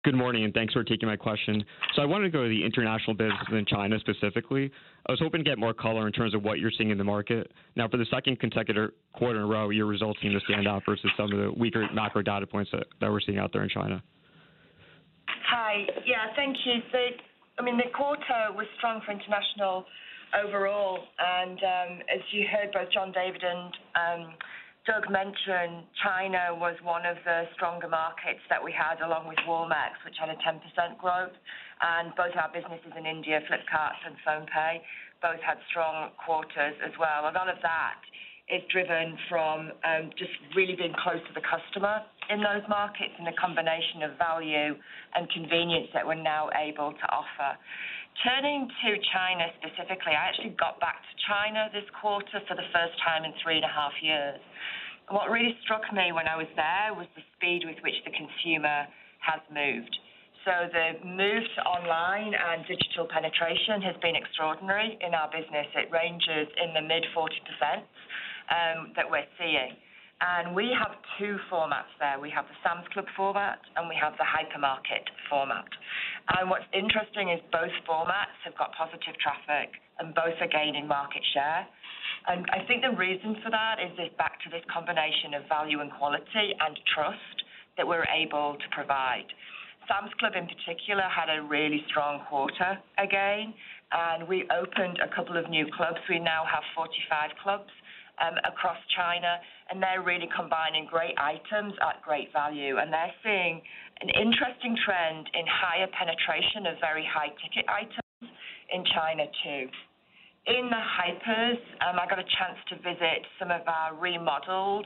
Good morning. Thanks for taking my question. I wanted to go to the international business in China specifically. I was hoping to get more color in terms of what you're seeing in the market. For the second consecutive quarter in a row, your results seem to stand out versus some of the weaker macro data points that we're seeing out there in China. Hi. Yeah, thank you. I mean, the quarter was strong for international overall, and as you heard both John David and Doug mention, China was one of the stronger markets that we had, along with Walmex, which had a 10% growth. Both our businesses in India, Flipkart and PhonePe, both had strong quarters as well. A lot of that is driven from just really being close to the customer in those markets, and the combination of value and convenience that we're now able to offer. Turning to China specifically, I actually got back to China this quarter for the first time in 3.5 years. What really struck me when I was there was the speed with which the consumer has moved. The move to online and digital penetration has been extraordinary in our business. It ranges in the mid 40% that we're seeing. We have two formats there. We have the Sam's Club format and we have the hypermarket format. What's interesting is both formats have got positive traffic and both are gaining market share. I think the reason for that is this back to this combination of value and quality, and trust that we're able to provide. Sam's Club, in particular, had a really strong quarter again. We opened a couple of new clubs. We now have 45 clubs across China. They're really combining great items at great value, and they're seeing an interesting trend in higher penetration of very high-ticket items in China, too. In the hypers, I got a chance to visit some of our remodeled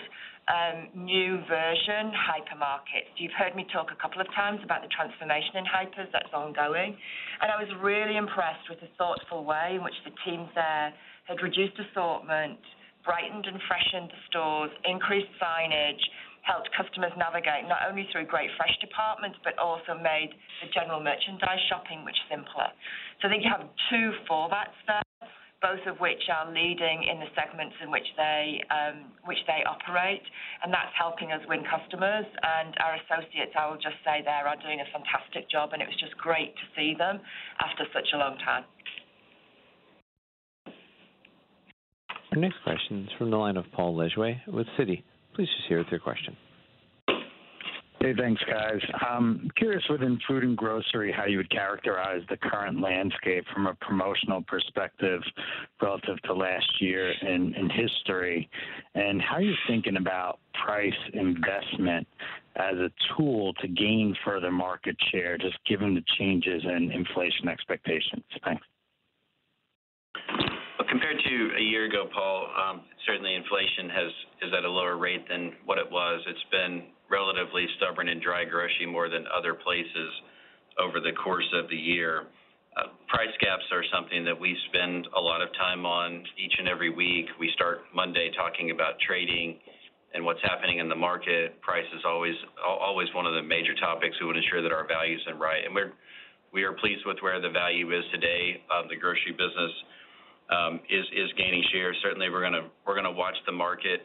new version hypermarkets. You've heard me talk a couple of times about the transformation in hypers that's ongoing. I was really impressed with the thoughtful way in which the teams there had reduced assortment. brightened and freshened the stores, increased signage, helped customers navigate not only through great fresh departments, but also made the general merchandise shopping much simpler. I think you have two formats there, both of which are leading in the segments in which they, which they operate, and that's helping us win customers and our associates, I will just say they are doing a fantastic job, and it was just great to see them after such a long time. Our next question is from the line of Paul Lejuez with Citi. Please just hear with your question. Hey, thanks, guys. Curious within food and grocery, how you would characterize the current landscape from a promotional perspective relative to last year in, in history, and how are you thinking about price investment as a tool to gain further market share, just given the changes in inflation expectations? Thanks. Well, compared to a year ago, Paul, certainly inflation has-- is at a lower rate than what it was. It's been relatively stubborn in dry grocery more than other places over the course of the year. Price gaps are something that we spend a lot of time on each and every week. We start Monday talking about trading and what's happening in the market. Price is always, always one of the major topics that would ensure that our value is in right. We're-- we are pleased with where the value is today. The grocery business is, is gaining share. Certainly, we're gonna, we're gonna watch the market.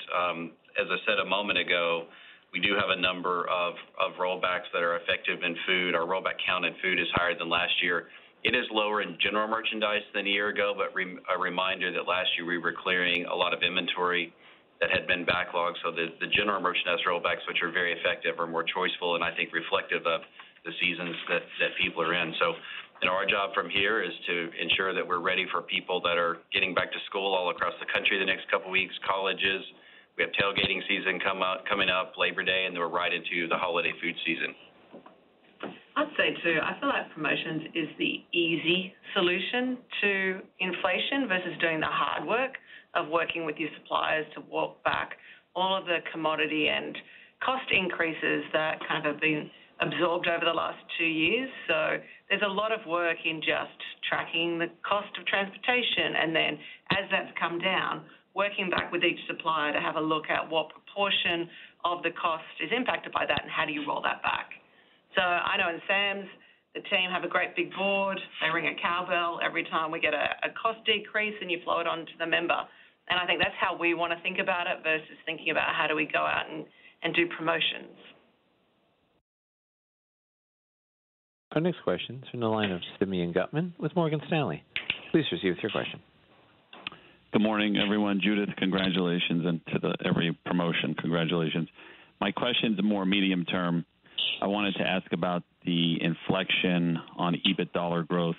As I said a moment ago, we do have a number of, of Rollbacks that are effective in food. Our rollback count in food is higher than last year. It is lower in general merchandise than a year ago, but a reminder that last year we were clearing a lot of inventory that had been backlogged, so the general merchandise Rollbacks, which are very effective, are more choiceful, and I think reflective of the seasons that, that people are in. And our job from here is to ensure that we're ready for people that are getting Back to School all across the country, the next couple of weeks, colleges. We have tailgating season coming up, Labor Day, and then we're right into the holiday food season. I'd say, too, I feel like promotions is the easy solution to inflation versus doing the hard work of working with your suppliers to walk back all of the commodity and cost increases that kind of been absorbed over the last two years. There's a lot of work in just tracking the cost of transportation, and then as that's come down, working back with each supplier to have a look at what proportion of the cost is impacted by that, and how do you roll that back. I know in Sam's, the team have a great big board. They ring a cowbell every time we get a cost decrease, and you flow it on to the member. I think that's how we want to think about it versus thinking about how do we go out and do promotions. Our next question is from the line of Simeon Gutman with Morgan Stanley. Please proceed with your question. Good morning, everyone. Judith, congratulations, to the every promotion, congratulations. My question is more medium-term. I wanted to ask about the inflection on EBIT dollar growth.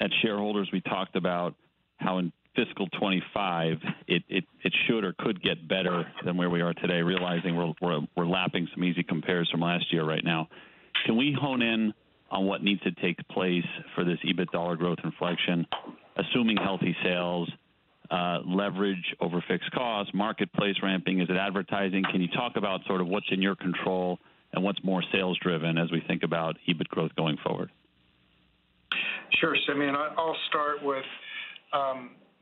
At shareholders, we talked about how in fiscal 2025, it should or could get better than where we are today, realizing we're lapping some easy compares from last year right now. Can we hone in on what needs to take place for this EBIT dollar growth inflection, assuming healthy sales, leverage over fixed costs, marketplace ramping? Is it advertising? Can you talk about sort of what's in your control and what's more sales driven as we think about EBIT growth going forward? Sure, Simeon, I, I'll start with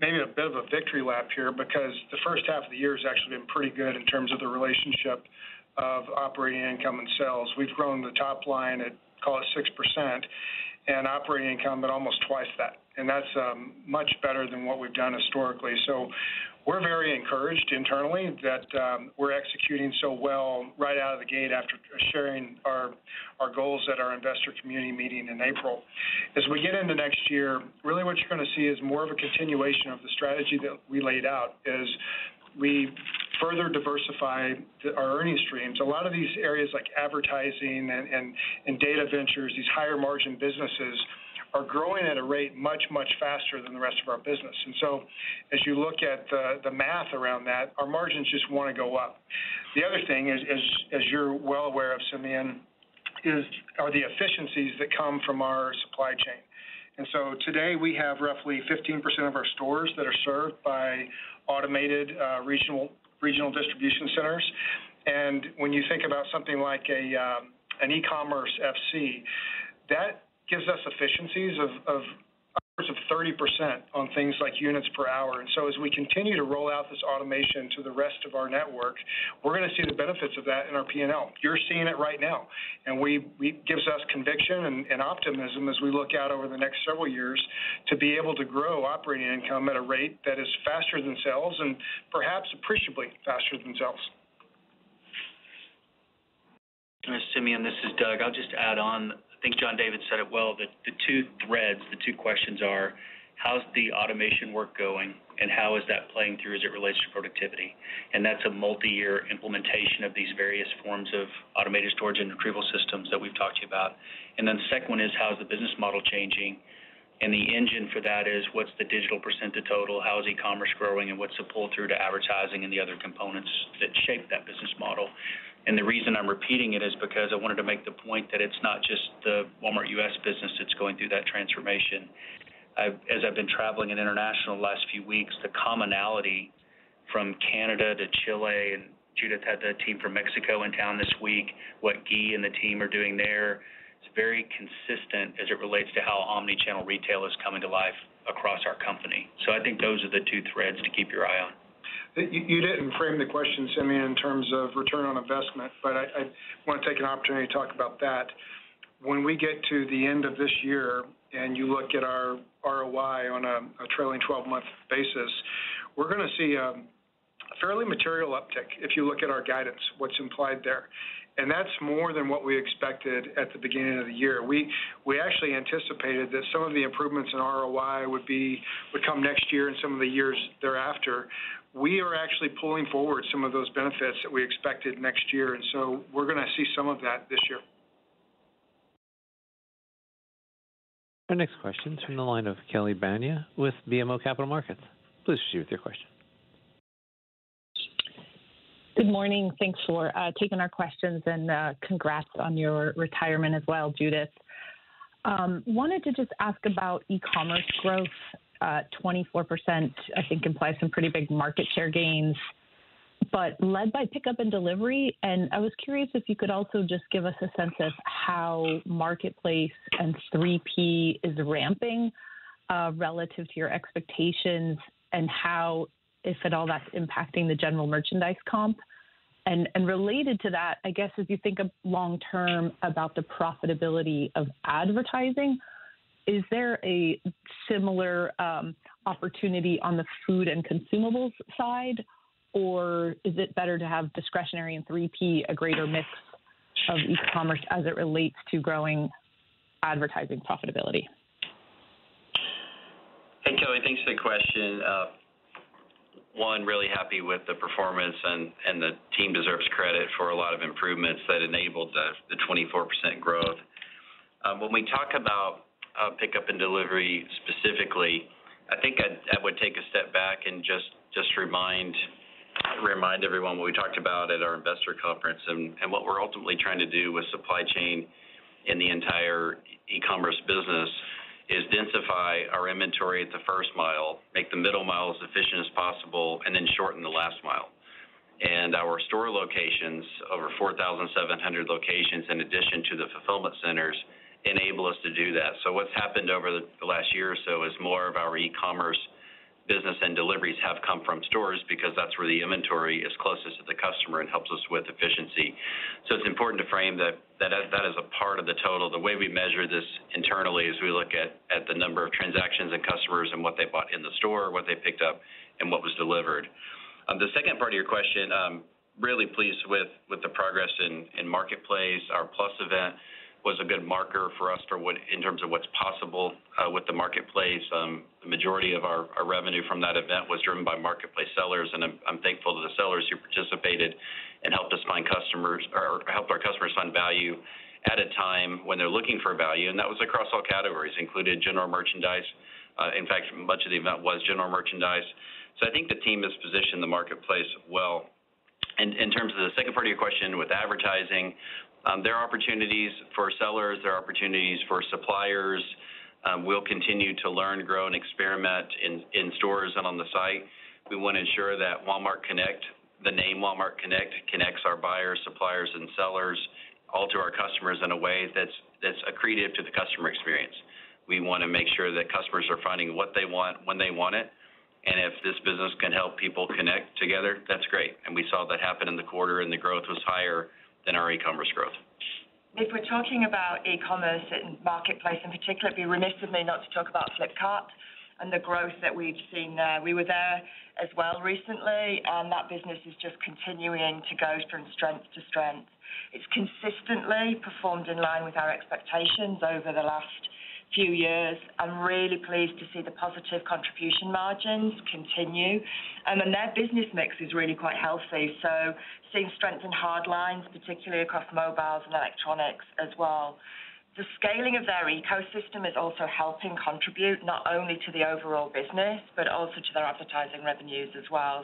maybe a bit of a victory lap here, because the first half of the year has actually been pretty good in terms of the relationship of operating income and sales. We've grown the top line, at call it 6%, and operating income at almost twice that, and that's much better than what we've done historically. We're very encouraged internally that we're executing so well right out of the gate after sharing our, our goals at our investor community meeting in April. As we get into next year, really what you're gonna see is more of a continuation of the strategy that we laid out as we further diversify the, our earning streams. A lot of these areas, like advertising and, and, and Data Ventures, these higher margin businesses, are growing at a rate much, much faster than the rest of our business. So as you look at the, the math around that, our margins just want to go up. The other thing is, is, as you're well aware of, Simeon, is, are the efficiencies that come from our supply chain. So today, we have roughly 15% of our stores that are served by automated, regional, regional distribution centers. When you think about something like an e-commerce FC, that gives us efficiencies of, of, of 30% on things like units per hour. So as we continue to roll out this automation to the rest of our network, we're gonna see the benefits of that in our P&L. You're seeing it right now, and gives us conviction and optimism as we look out over the next several years to be able to grow operating income at a rate that is faster than sales and perhaps appreciably faster than sales. Simeon, this is Doug. I'll just add on. I think John David said it well, that the two threads, the two questions are: How's the automation work going, and how is that playing through as it relates to productivity? That's a multi-year implementation of these various forms of automated storage and retrieval systems that we've talked to you about. Then the second one is, how is the business model changing? The engine for that is, what's the digital % of total? How is e-commerce growing, and what's the pull-through to advertising and the other components that shape that business model? The reason I'm repeating it is because I wanted to make the point that it's not just the Walmart U.S. business that's going through that transformation. As I've been traveling in International the last few weeks, the commonality from Canada to Chile, and Judith had the team from Mexico in town this week, what Gui and the team are doing there. It's very consistent as it relates to how omnichannel retail is coming to life across our company. I think those are the two threads to keep your eye on. You didn't frame the question, Simeon, in terms of return on investment, but I want to take an opportunity to talk about that. When we get to the end of this year, and you look at our ROI on a 12-month basis, we're going to see a fairly material uptick if you look at our guidance, what's implied there, and that's more than what we expected at the beginning of the year. We actually anticipated that some of the improvements in ROI would come next year in some of the years thereafter. We are actually pulling forward some of those benefits that we expected next year, and so we're going to see some of that this year. Our next question is from the line of Kelly Bania with BMO Capital Markets. Please proceed with your question. Good morning. Thanks for taking our questions, and congrats on your retirement as well, Judith. Wanted to just ask about e-commerce growth. 24%, I think, implies some pretty big market share gains, but led by pickup and delivery. I was curious if you could also just give us a sense of how marketplace and 3P is ramping relative to your expectations, and how, if at all, that's impacting the general merchandise comp. Related to that, I guess, as you think of long term about the profitability of advertising, is there a similar opportunity on the food and consumables side, or is it better to have discretionary and 3P a greater mix of e-commerce as it relates to growing advertising profitability? Hey, Kelly, thanks for the question. One, really happy with the performance and the team deserves credit for a lot of improvements that enabled the 24% growth. When we talk about pickup and delivery specifically, I think I'd, I would take a step back and just remind everyone what we talked about at our investor conference and what we're ultimately trying to do with supply chain in the entire e-commerce business, is densify our inventory at the first mile, make the middle mile as efficient as possible, and then shorten the last mile. Our store locations, over 4,700 locations, in addition to the fulfillment centers, enable us to do that. What's happened over the last year or so is more of our e-commerce business and deliveries have come from stores because that's where the inventory is closest to the customer and helps us with efficiency. It's important to frame that, that as a part of the total. The way we measure this internally is we look at, at the number of transactions and customers and what they bought in the store, what they picked up, and what was delivered. The second part of your question, really pleased with, with the progress in, in Marketplace. Our Plus event was a good marker for us for what-- in terms of what's possible with the Marketplace. The majority of our, our revenue from that event was driven by Marketplace sellers, I'm thankful to the sellers who participated and helped us find customers, or helped our customers find value at a time when they're looking for value. That was across all categories, including general merchandise. In fact, much of the event was general merchandise. I think the team has positioned the marketplace well. In terms of the second part of your question, with advertising, there are opportunities for sellers, there are opportunities for suppliers. We'll continue to learn, grow, and experiment in, in stores and on the site. We want to ensure that Walmart Connect, the name Walmart Connect, connects our buyers, suppliers, and sellers, all to our customers in a way that's, that's accretive to the customer experience. We want to make sure that customers are finding what they want, when they want it, and if this business can help people connect together, that's great. We saw that happen in the quarter, and the growth was higher than our e-commerce growth. If we're talking about e-commerce and Marketplace in particular, it'd be remiss of me not to talk about Flipkart and the growth that we've seen there. We were there as well recently. That business is just continuing to go from strength to strength. It's consistently performed in line with our expectations over the last few years. I'm really pleased to see the positive contribution margins continue, and then their business mix is really quite healthy. Seeing strength in hard lines, particularly across mobiles and electronics as well. The scaling of their ecosystem is also helping contribute not only to the overall business, but also to their advertising revenues as well.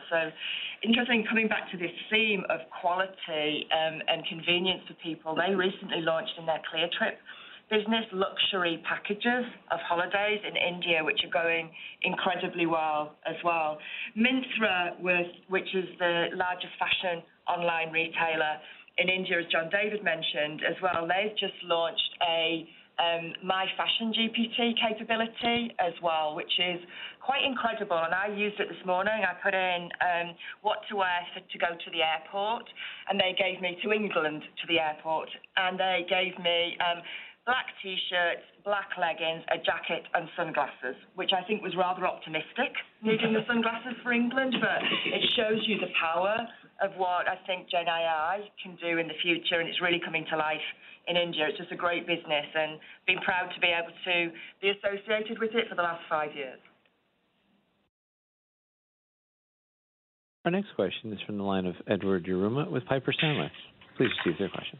Interesting, coming back to this theme of quality, and convenience for people. They recently launched in their Cleartrip business, luxury packages of holidays in India, which are going incredibly well as well. Myntra, which is the largest fashion online retailer in India, as John David mentioned as well, they've just launched a MyFashionGPT capability as well, which is quite incredible. I used it this morning. I put in what to wear to go to the airport, and they gave me to England, to the airport, and they gave me black T-shirts, black leggings, a jacket, and sunglasses, which I think was rather optimistic, needing the sunglasses for England. It shows you the power of what I think Gen AI can do in the future, and it's really coming to life in India. It's just a great business, and being proud to be able to be associated with it for the last five years. Our next question is from the line of Edward Yruma with Piper Sandler. Please proceed with your question.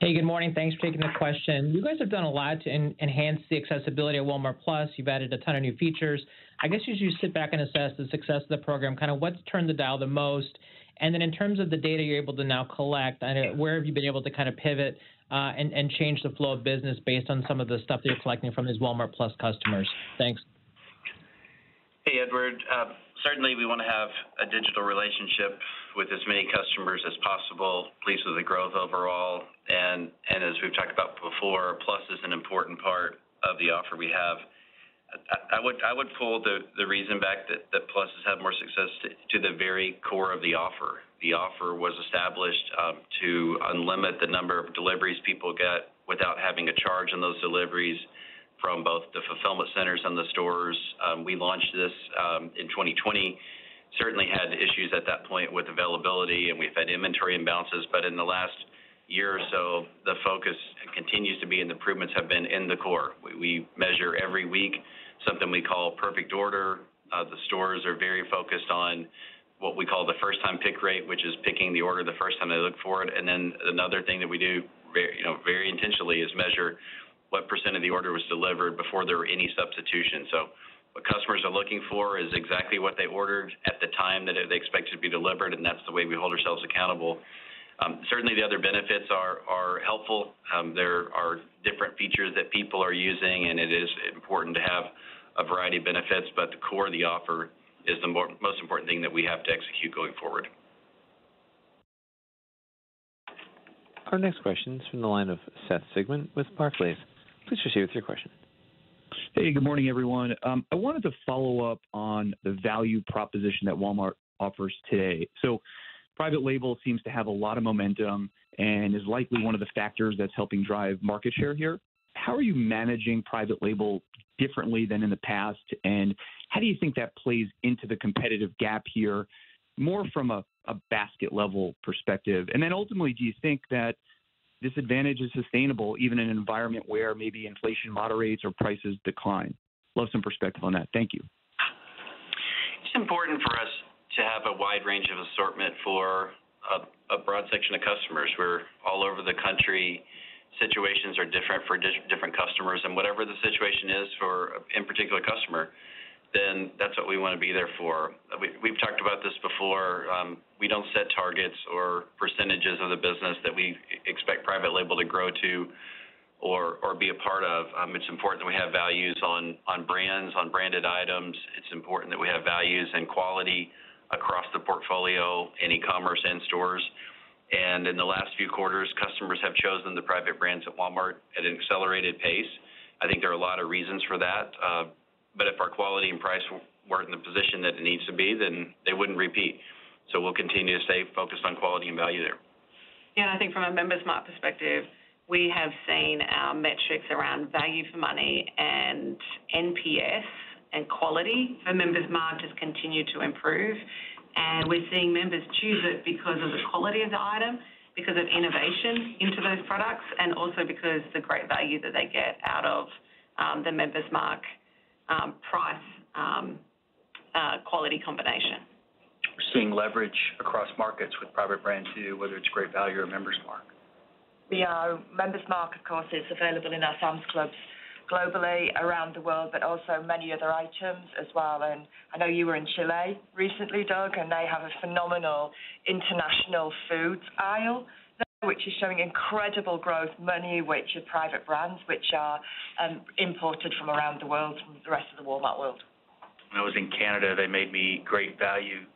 Hey, good morning. Thanks for taking the question. You guys have done a lot to enhance the accessibility of Walmart+. You've added a ton of new features. I guess, as you sit back and assess the success of the program, kind of what's turned the dial the most? Then in terms of the data you're able to now collect, where have you been able to kind of pivot, and change the flow of business based on some of the stuff you're collecting from these Walmart+ customers? Thanks. ... with as many customers as possible, pleased with the growth overall. As we've talked about before, Walmart+ is an important part of the offer we have. I would pull the reason back that Walmart+ has had more success to the very core of the offer. The offer was established to unlimit the number of deliveries people get without having a charge on those deliveries from both the fulfillment centers and the stores. We launched this in 2020. Certainly had issues at that point with availability, and we've had inventory imbalances, but in the last year or so, the focus continues to be, and the improvements have been in the core. We measure every week, something we call perfect order. The stores are very focused on what we call the first time pick rate, which is picking the order the first time they look for it. Then another thing that we do very, you know, very intentionally, is measure what % of the order was delivered before there were any substitutions. What customers are looking for is exactly what they ordered at the time that they expect it to be delivered, and that's the way we hold ourselves accountable. Certainly, the other benefits are, are helpful. There are different features that people are using, and it is important to have a variety of benefits, but the core of the offer is the more- most important thing that we have to execute going forward. Our next question is from the line of Seth Sigman with Barclays. Please proceed with your question. Hey, good morning, everyone. I wanted to follow up on the value proposition that Walmart offers today. Private label seems to have a lot of momentum and is likely one of the factors that's helping drive market share here. How are you managing private label differently than in the past, and how do you think that plays into the competitive gap here, more from a, a basket level perspective? Then ultimately, do you think that this advantage is sustainable, even in an environment where maybe inflation moderates or prices decline? Love some perspective on that. Thank you. It's important for us to have a wide range of assortment for a, a broad section of customers. We're all over the country. Situations are different for different customers, whatever the situation is for any particular customer, then that's what we want to be there for. We, we've talked about this before, we don't set targets or percentages of the business that we expect private label to grow to or, or be a part of. It's important that we have values on, on brands, on branded items. It's important that we have values and quality across the portfolio, in e-commerce and stores. In the last few quarters, customers have chosen the private brands at Walmart at an accelerated pace. I think there are a lot of reasons for that, but if our quality and price weren't in the position that it needs to be, then they wouldn't repeat. We'll continue to stay focused on quality and value there. Yeah, I think from a Member's Mark perspective, we have seen our metrics around value for money and NPS and quality for Member's Mark just continue to improve. We're seeing members choose it because of the quality of the item, because of innovation into those products, and also because the great value that they get out of the Member's Mark price quality combination. We're seeing leverage across markets with private brands too, whether it's Great Value or Member's Mark. Yeah, Member's Mark, of course, is available in our Sam's Clubs globally around the world, but also many other items as well. I know you were in Chile recently, Doug, and they have a phenomenal international foods aisle, which is showing incredible growth, many which are private brands, which are imported from around the world, from the rest of the Walmart world. When I was in Canada, they made me Great Value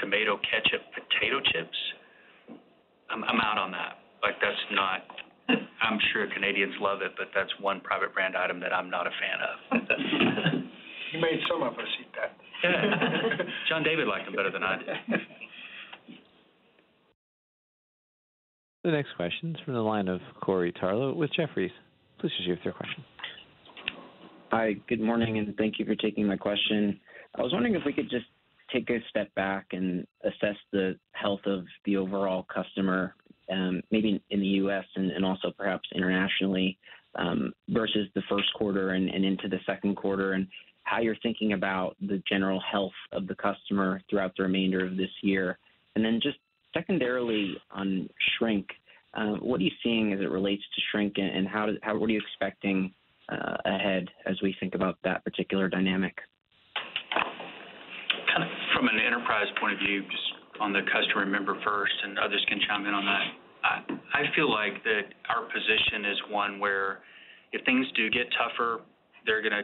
tomato ketchup, potato chips. I'm, I'm out on that. Like, that's not... I'm sure Canadians love it, but that's one private brand item that I'm not a fan of. You made some of us eat that. John David liked them better than I did. The next question is from the line of Corey Tarlowe with Jefferies. Please proceed with your question. Hi, good morning, and thank you for taking my question. I was wondering if we could just take a step back and assess the health of the overall customer, maybe in the U.S. also perhaps internationally, versus the first quarter into the second quarter, and how you're thinking about the general health of the customer throughout the remainder of this year. Then just secondarily on shrink, what are you seeing as it relates to shrink, what are you expecting ahead as we think about that particular dynamic? Kind of from an enterprise point of view, just on the customer member first, and others can chime in on that. I, I feel like that our position is one where if things do get tougher, they're going to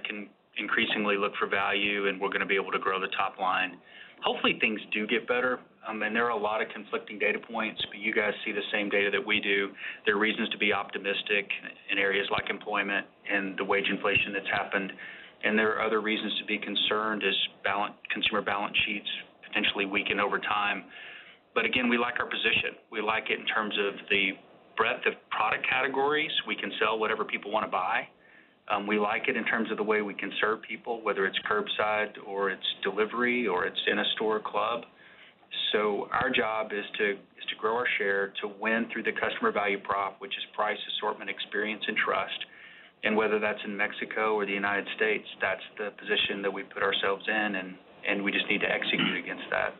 increasingly look for value, and we're going to be able to grow the top line. Hopefully, things do get better. There are a lot of conflicting data points, but you guys see the same data that we do. There are reasons to be optimistic in areas like employment and the wage inflation that's happened, and there are other reasons to be concerned as consumer balance sheets potentially weaken over time. Again, we like our position. We like it in terms of the breadth of product categories. We can sell whatever people want to buy. We like it in terms of the way we can serve people, whether it's curbside or it's delivery or it's in a store club. Our job is to, is to grow our share, to win through the customer value prop, which is price, assortment, experience, and trust. Whether that's in Mexico or the United States, that's the position that we've put ourselves in, and we just need to execute against that.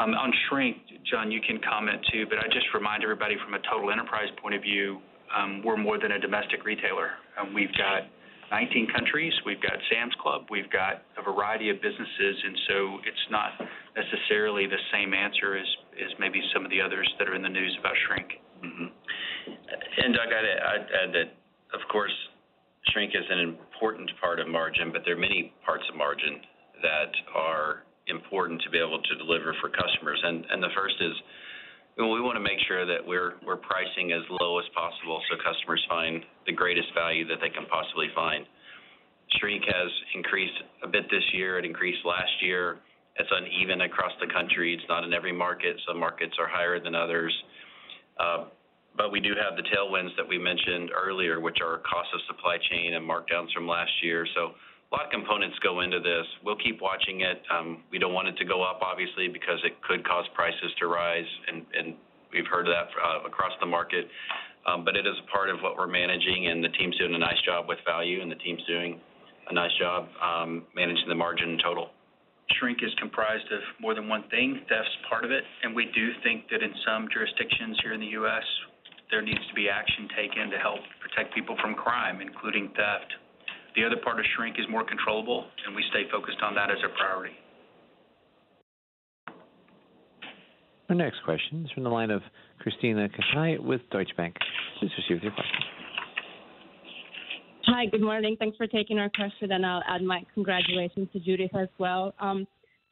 On Shrink, John, you can comment too, but I just remind everybody from a total enterprise point of view, we're more than a domestic retailer. We've got 19 countries, we've got Sam's Club, we've got a variety of businesses, and so it's not necessarily the same answer as maybe some of the others that are in the news about shrink. There are many parts of margin that are important to be able to deliver for customers, and the first is, we want to make sure that we're pricing as low as possible, so customers find the greatest value that they can possibly find. Shrink has increased a bit this year, it increased last year. It's uneven across the country. It's not in every market. Some markets are higher than others. But we do have the tailwinds that we mentioned earlier, which are cost of supply chain and markdowns from last year. A lot of components go into this. We'll keep watching it. We don't want it to go up, obviously, because it could cause prices to rise, and we've heard that across the market, but it is a part of what we're managing, and the team's doing a nice job with value, and the team's doing a nice job managing the margin total. Shrink is comprised of more than one thing. That's part of it. We do think that in some jurisdictions here in the U.S., there needs to be action taken to help protect people from crime, including theft. The other part of shrink is more controllable. We stay focused on that as a priority. Our next question is from the line of Krisztina Katai with Deutsche Bank. Please proceed with your question. Hi, good morning. Thanks for taking our question, and I'll add my congratulations to Judith as well. I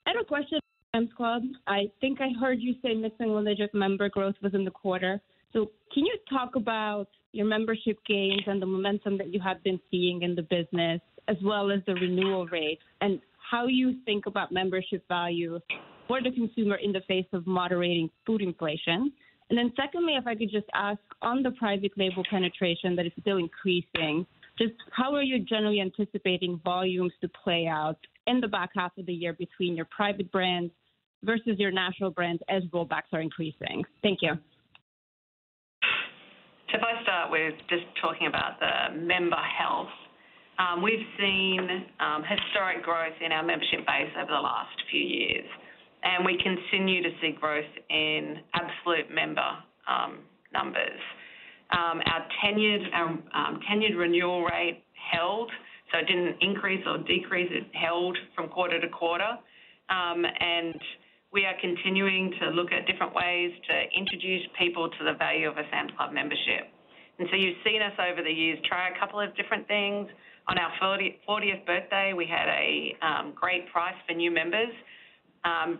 have a question on Sam's Club. I think I heard you say mid-single-digit member growth within the quarter. Can you talk about your membership gains and the momentum that you have been seeing in the business, as well as the renewal rate, and how you think about membership value for the consumer in the face of moderating food inflation? Secondly, if I could just ask on the private label penetration that is still increasing, just how are you generally anticipating volumes to play out in the back half of the year between your private brands versus your national brands as Rollbacks are increasing? Thank you. If I start with talking about the member health. We've seen historic growth in our membership base over the last few years, and we continue to see growth in absolute member numbers. Our tenured, our tenured renewal rate held, so it didn't increase or decrease. It held from quarter to quarter. We are continuing to look at different ways to introduce people to the value of a Sam's Club membership. You've seen us over the years, try a couple of different things. On our fortieth birthday, we had a great price for new members.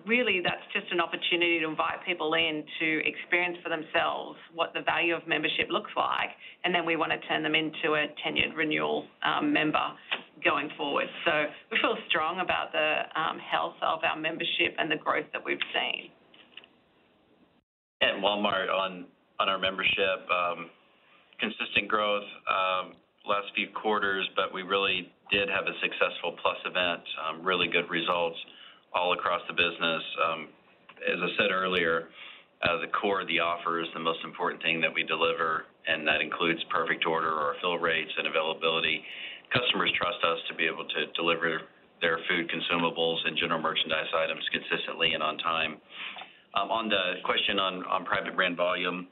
Really, that's just an opportunity to invite people in to experience for themselves what the value of membership looks like, and then we want to turn them into a tenured renewal member going forward. We feel strong about the health of our membership and the growth that we've seen. At Walmart on, on our membership, consistent growth, last few quarters. We really did have a successful Walmart+ Week, really good results all across the business. As I said earlier, the core of the offer is the most important thing that we deliver. That includes perfect order or fill rates and availability. Customers trust us to be able to deliver their food, consumables, and general merchandise items consistently and on time. On the question on, on private brand volume,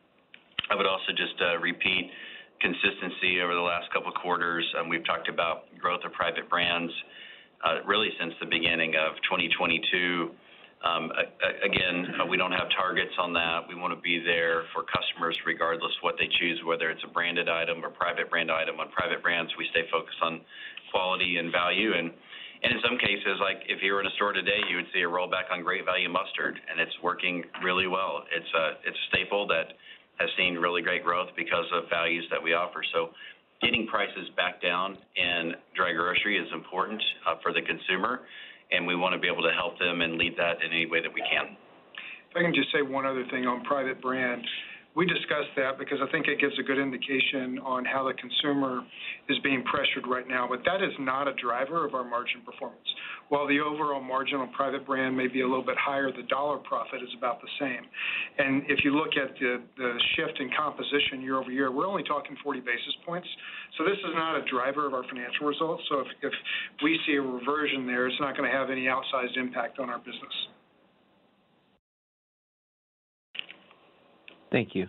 I would also just repeat consistency over the last couple of quarters. We've talked about growth of private brands really since the beginning of 2022. Again, we don't have targets on that. We want to be there for customers regardless of what they choose, whether it's a branded item or private brand item. On private brands, we stay focused on quality and value, and in some cases, like if you were in a store today, you would see a rollback on Great Value mustard. It's working really well. It's a staple that has seen really great growth because of values that we offer. Getting prices back down in dry grocery is important for the consumer. We want to be able to help them and lead that in any way that we can. If I can just say one other thing on private brand. We discussed that because I think it gives a good indication on how the consumer is being pressured right now, but that is not a driver of our margin performance. While the overall margin on private brand may be a little bit higher, the dollar profit is about the same. If you look at the, the shift in composition year-over-year, we're only talking 40 basis points, so this is not a driver of our financial results. If, if we see a reversion there, it's not going to have any outsized impact on our business. Thank you.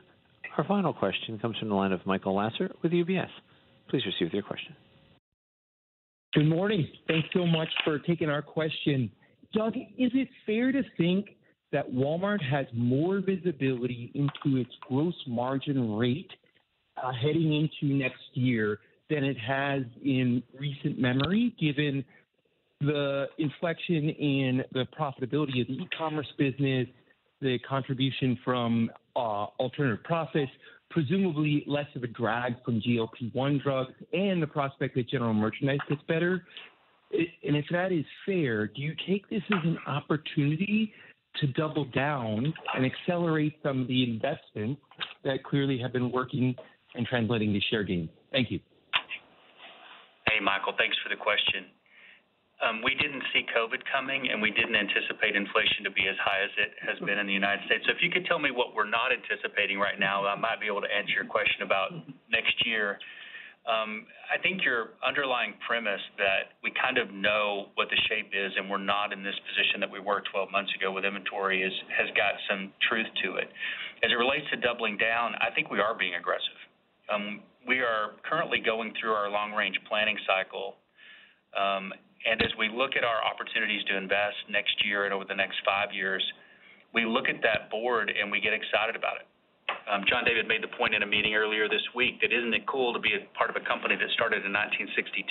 Our final question comes from the line of Michael Lasser with UBS. Please receive your question. Good morning. Thanks so much for taking our question. Doug, is it fair to think that Walmart has more visibility into its gross margin rate heading into next year than it has in recent memory, given the inflection in the profitability of the e-commerce business, the contribution from alternative profits, presumably less of a drag from GLP-1 drugs, and the prospect that general merchandise gets better? If that is fair, do you take this as an opportunity to double down and accelerate some of the investments that clearly have been working and translating to share gains? Thank you. Hey, Michael, thanks for the question. We didn't see COVID coming, and we didn't anticipate inflation to be as high as it has been in the United States. If you could tell me what we're not anticipating right now, I might be able to answer your question about next year. I think your underlying premise that we kind of know what the shape is, and we're not in this position that we were 12 months ago with inventory is, has got some truth to it. As it relates to doubling down, I think we are being aggressive. We are currently going through our long-range planning cycle, and as we look at our opportunities to invest next year and over the next five years, we look at that board, and we get excited about it. ...John David made the point in a meeting earlier this week that isn't it cool to be a part of a company that started in 1962,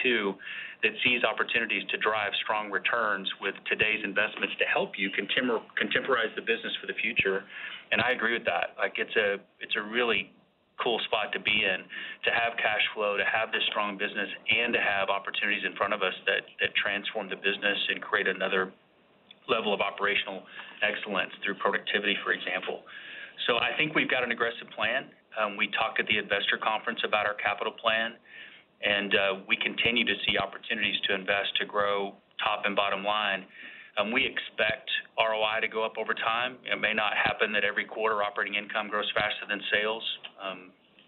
that sees opportunities to drive strong returns with today's investments to help you contemporize the business for the future? I agree with that. Like, it's a, it's a really cool spot to be in, to have cash flow, to have this strong business, and to have opportunities in front of us that, that transform the business and create another level of operational excellence through productivity, for example. I think we've got an aggressive plan. We talked at the investor conference about our capital plan. We continue to see opportunities to invest, to grow top and bottom line. We expect ROI to go up over time. It may not happen that every quarter operating income grows faster than sales,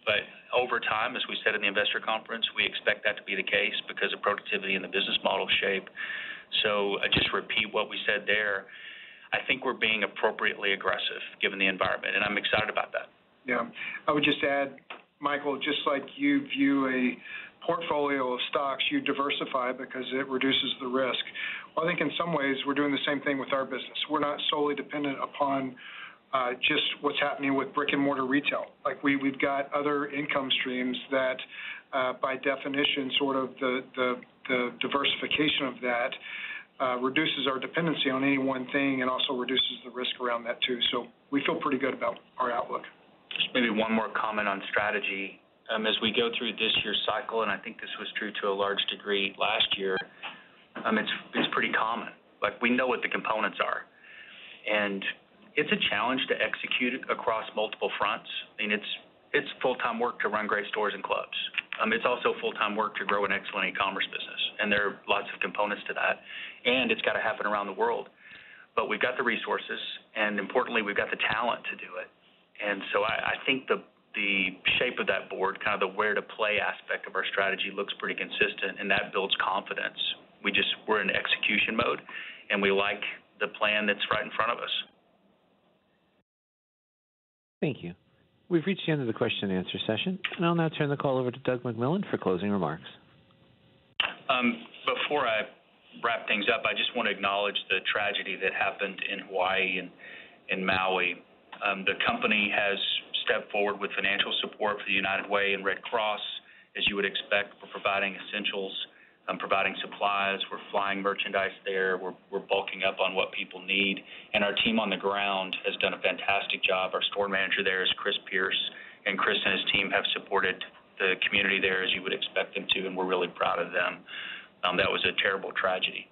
but over time, as we said in the investor conference, we expect that to be the case because of productivity and the business model shape. I just repeat what we said there. I think we're being appropriately aggressive given the environment, and I'm excited about that. Yeah. I would just add, Michael, just like you view a portfolio of stocks, you diversify because it reduces the risk. I think in some ways, we're doing the same thing with our business. We're not solely dependent upon just what's happening with brick-and-mortar retail. Like we, we've got other income streams that, by definition, sort of the, the, the diversification of that, reduces our dependency on any one thing and also reduces the risk around that too. We feel pretty good about our outlook. Just maybe one more comment on strategy. As we go through this year's cycle, and I think this was true to a large degree last year, it's, it's pretty common, like we know what the components are, and it's a challenge to execute across multiple fronts, and it's, it's full-time work to run great stores and clubs. It's also full-time work to grow an excellent e-commerce business, and there are lots of components to that, and it's got to happen around the world. We've got the resources, and importantly, we've got the talent to do it. I, I think the, the shape of that board, kind of the where to play aspect of our strategy looks pretty consistent, and that builds confidence. We just we're in execution mode, and we like the plan that's right in front of us. Thank you. We've reached the end of the question and answer session. I'll now turn the call over to Doug McMillon for closing remarks. Before I wrap things up, I just want to acknowledge the tragedy that happened in Hawaii and in Maui. The company has stepped forward with financial support for the United Way and Red Cross, as you would expect, for providing essentials and providing supplies. We're flying merchandise there. We're bulking up on what people need. Our team on the ground has done a fantastic job. Our store manager there is Chris Pierce. Chris and his team have supported the community there, as you would expect them to, and we're really proud of them. That was a terrible tragedy.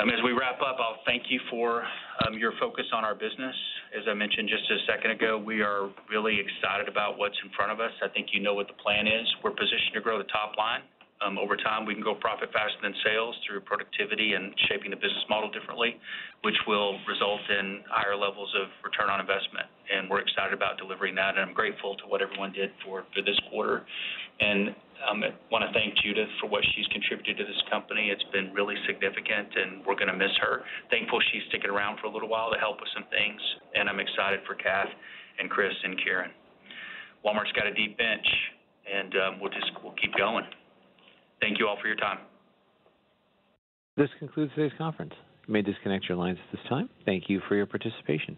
As we wrap up, I'll thank you for your focus on our business. As I mentioned just a second ago, we are really excited about what's in front of us. I think you know what the plan is. We're positioned to grow the top line. Over time, we can grow profit faster than sales through productivity and shaping the business model differently, which will result in higher levels of return on investment. We're excited about delivering that, and I'm grateful to what everyone did for, for this quarter. I want to thank Judith for what she's contributed to this company. It's been really significant, and we're going to miss her. Thankful she's sticking around for a little while to help with some things, and I'm excited for Kath and Chris and Kieran. Walmart's got a deep bench, and we'll just, we'll keep going. Thank you all for your time. This concludes today's conference. You may disconnect your lines at this time. Thank you for your participation.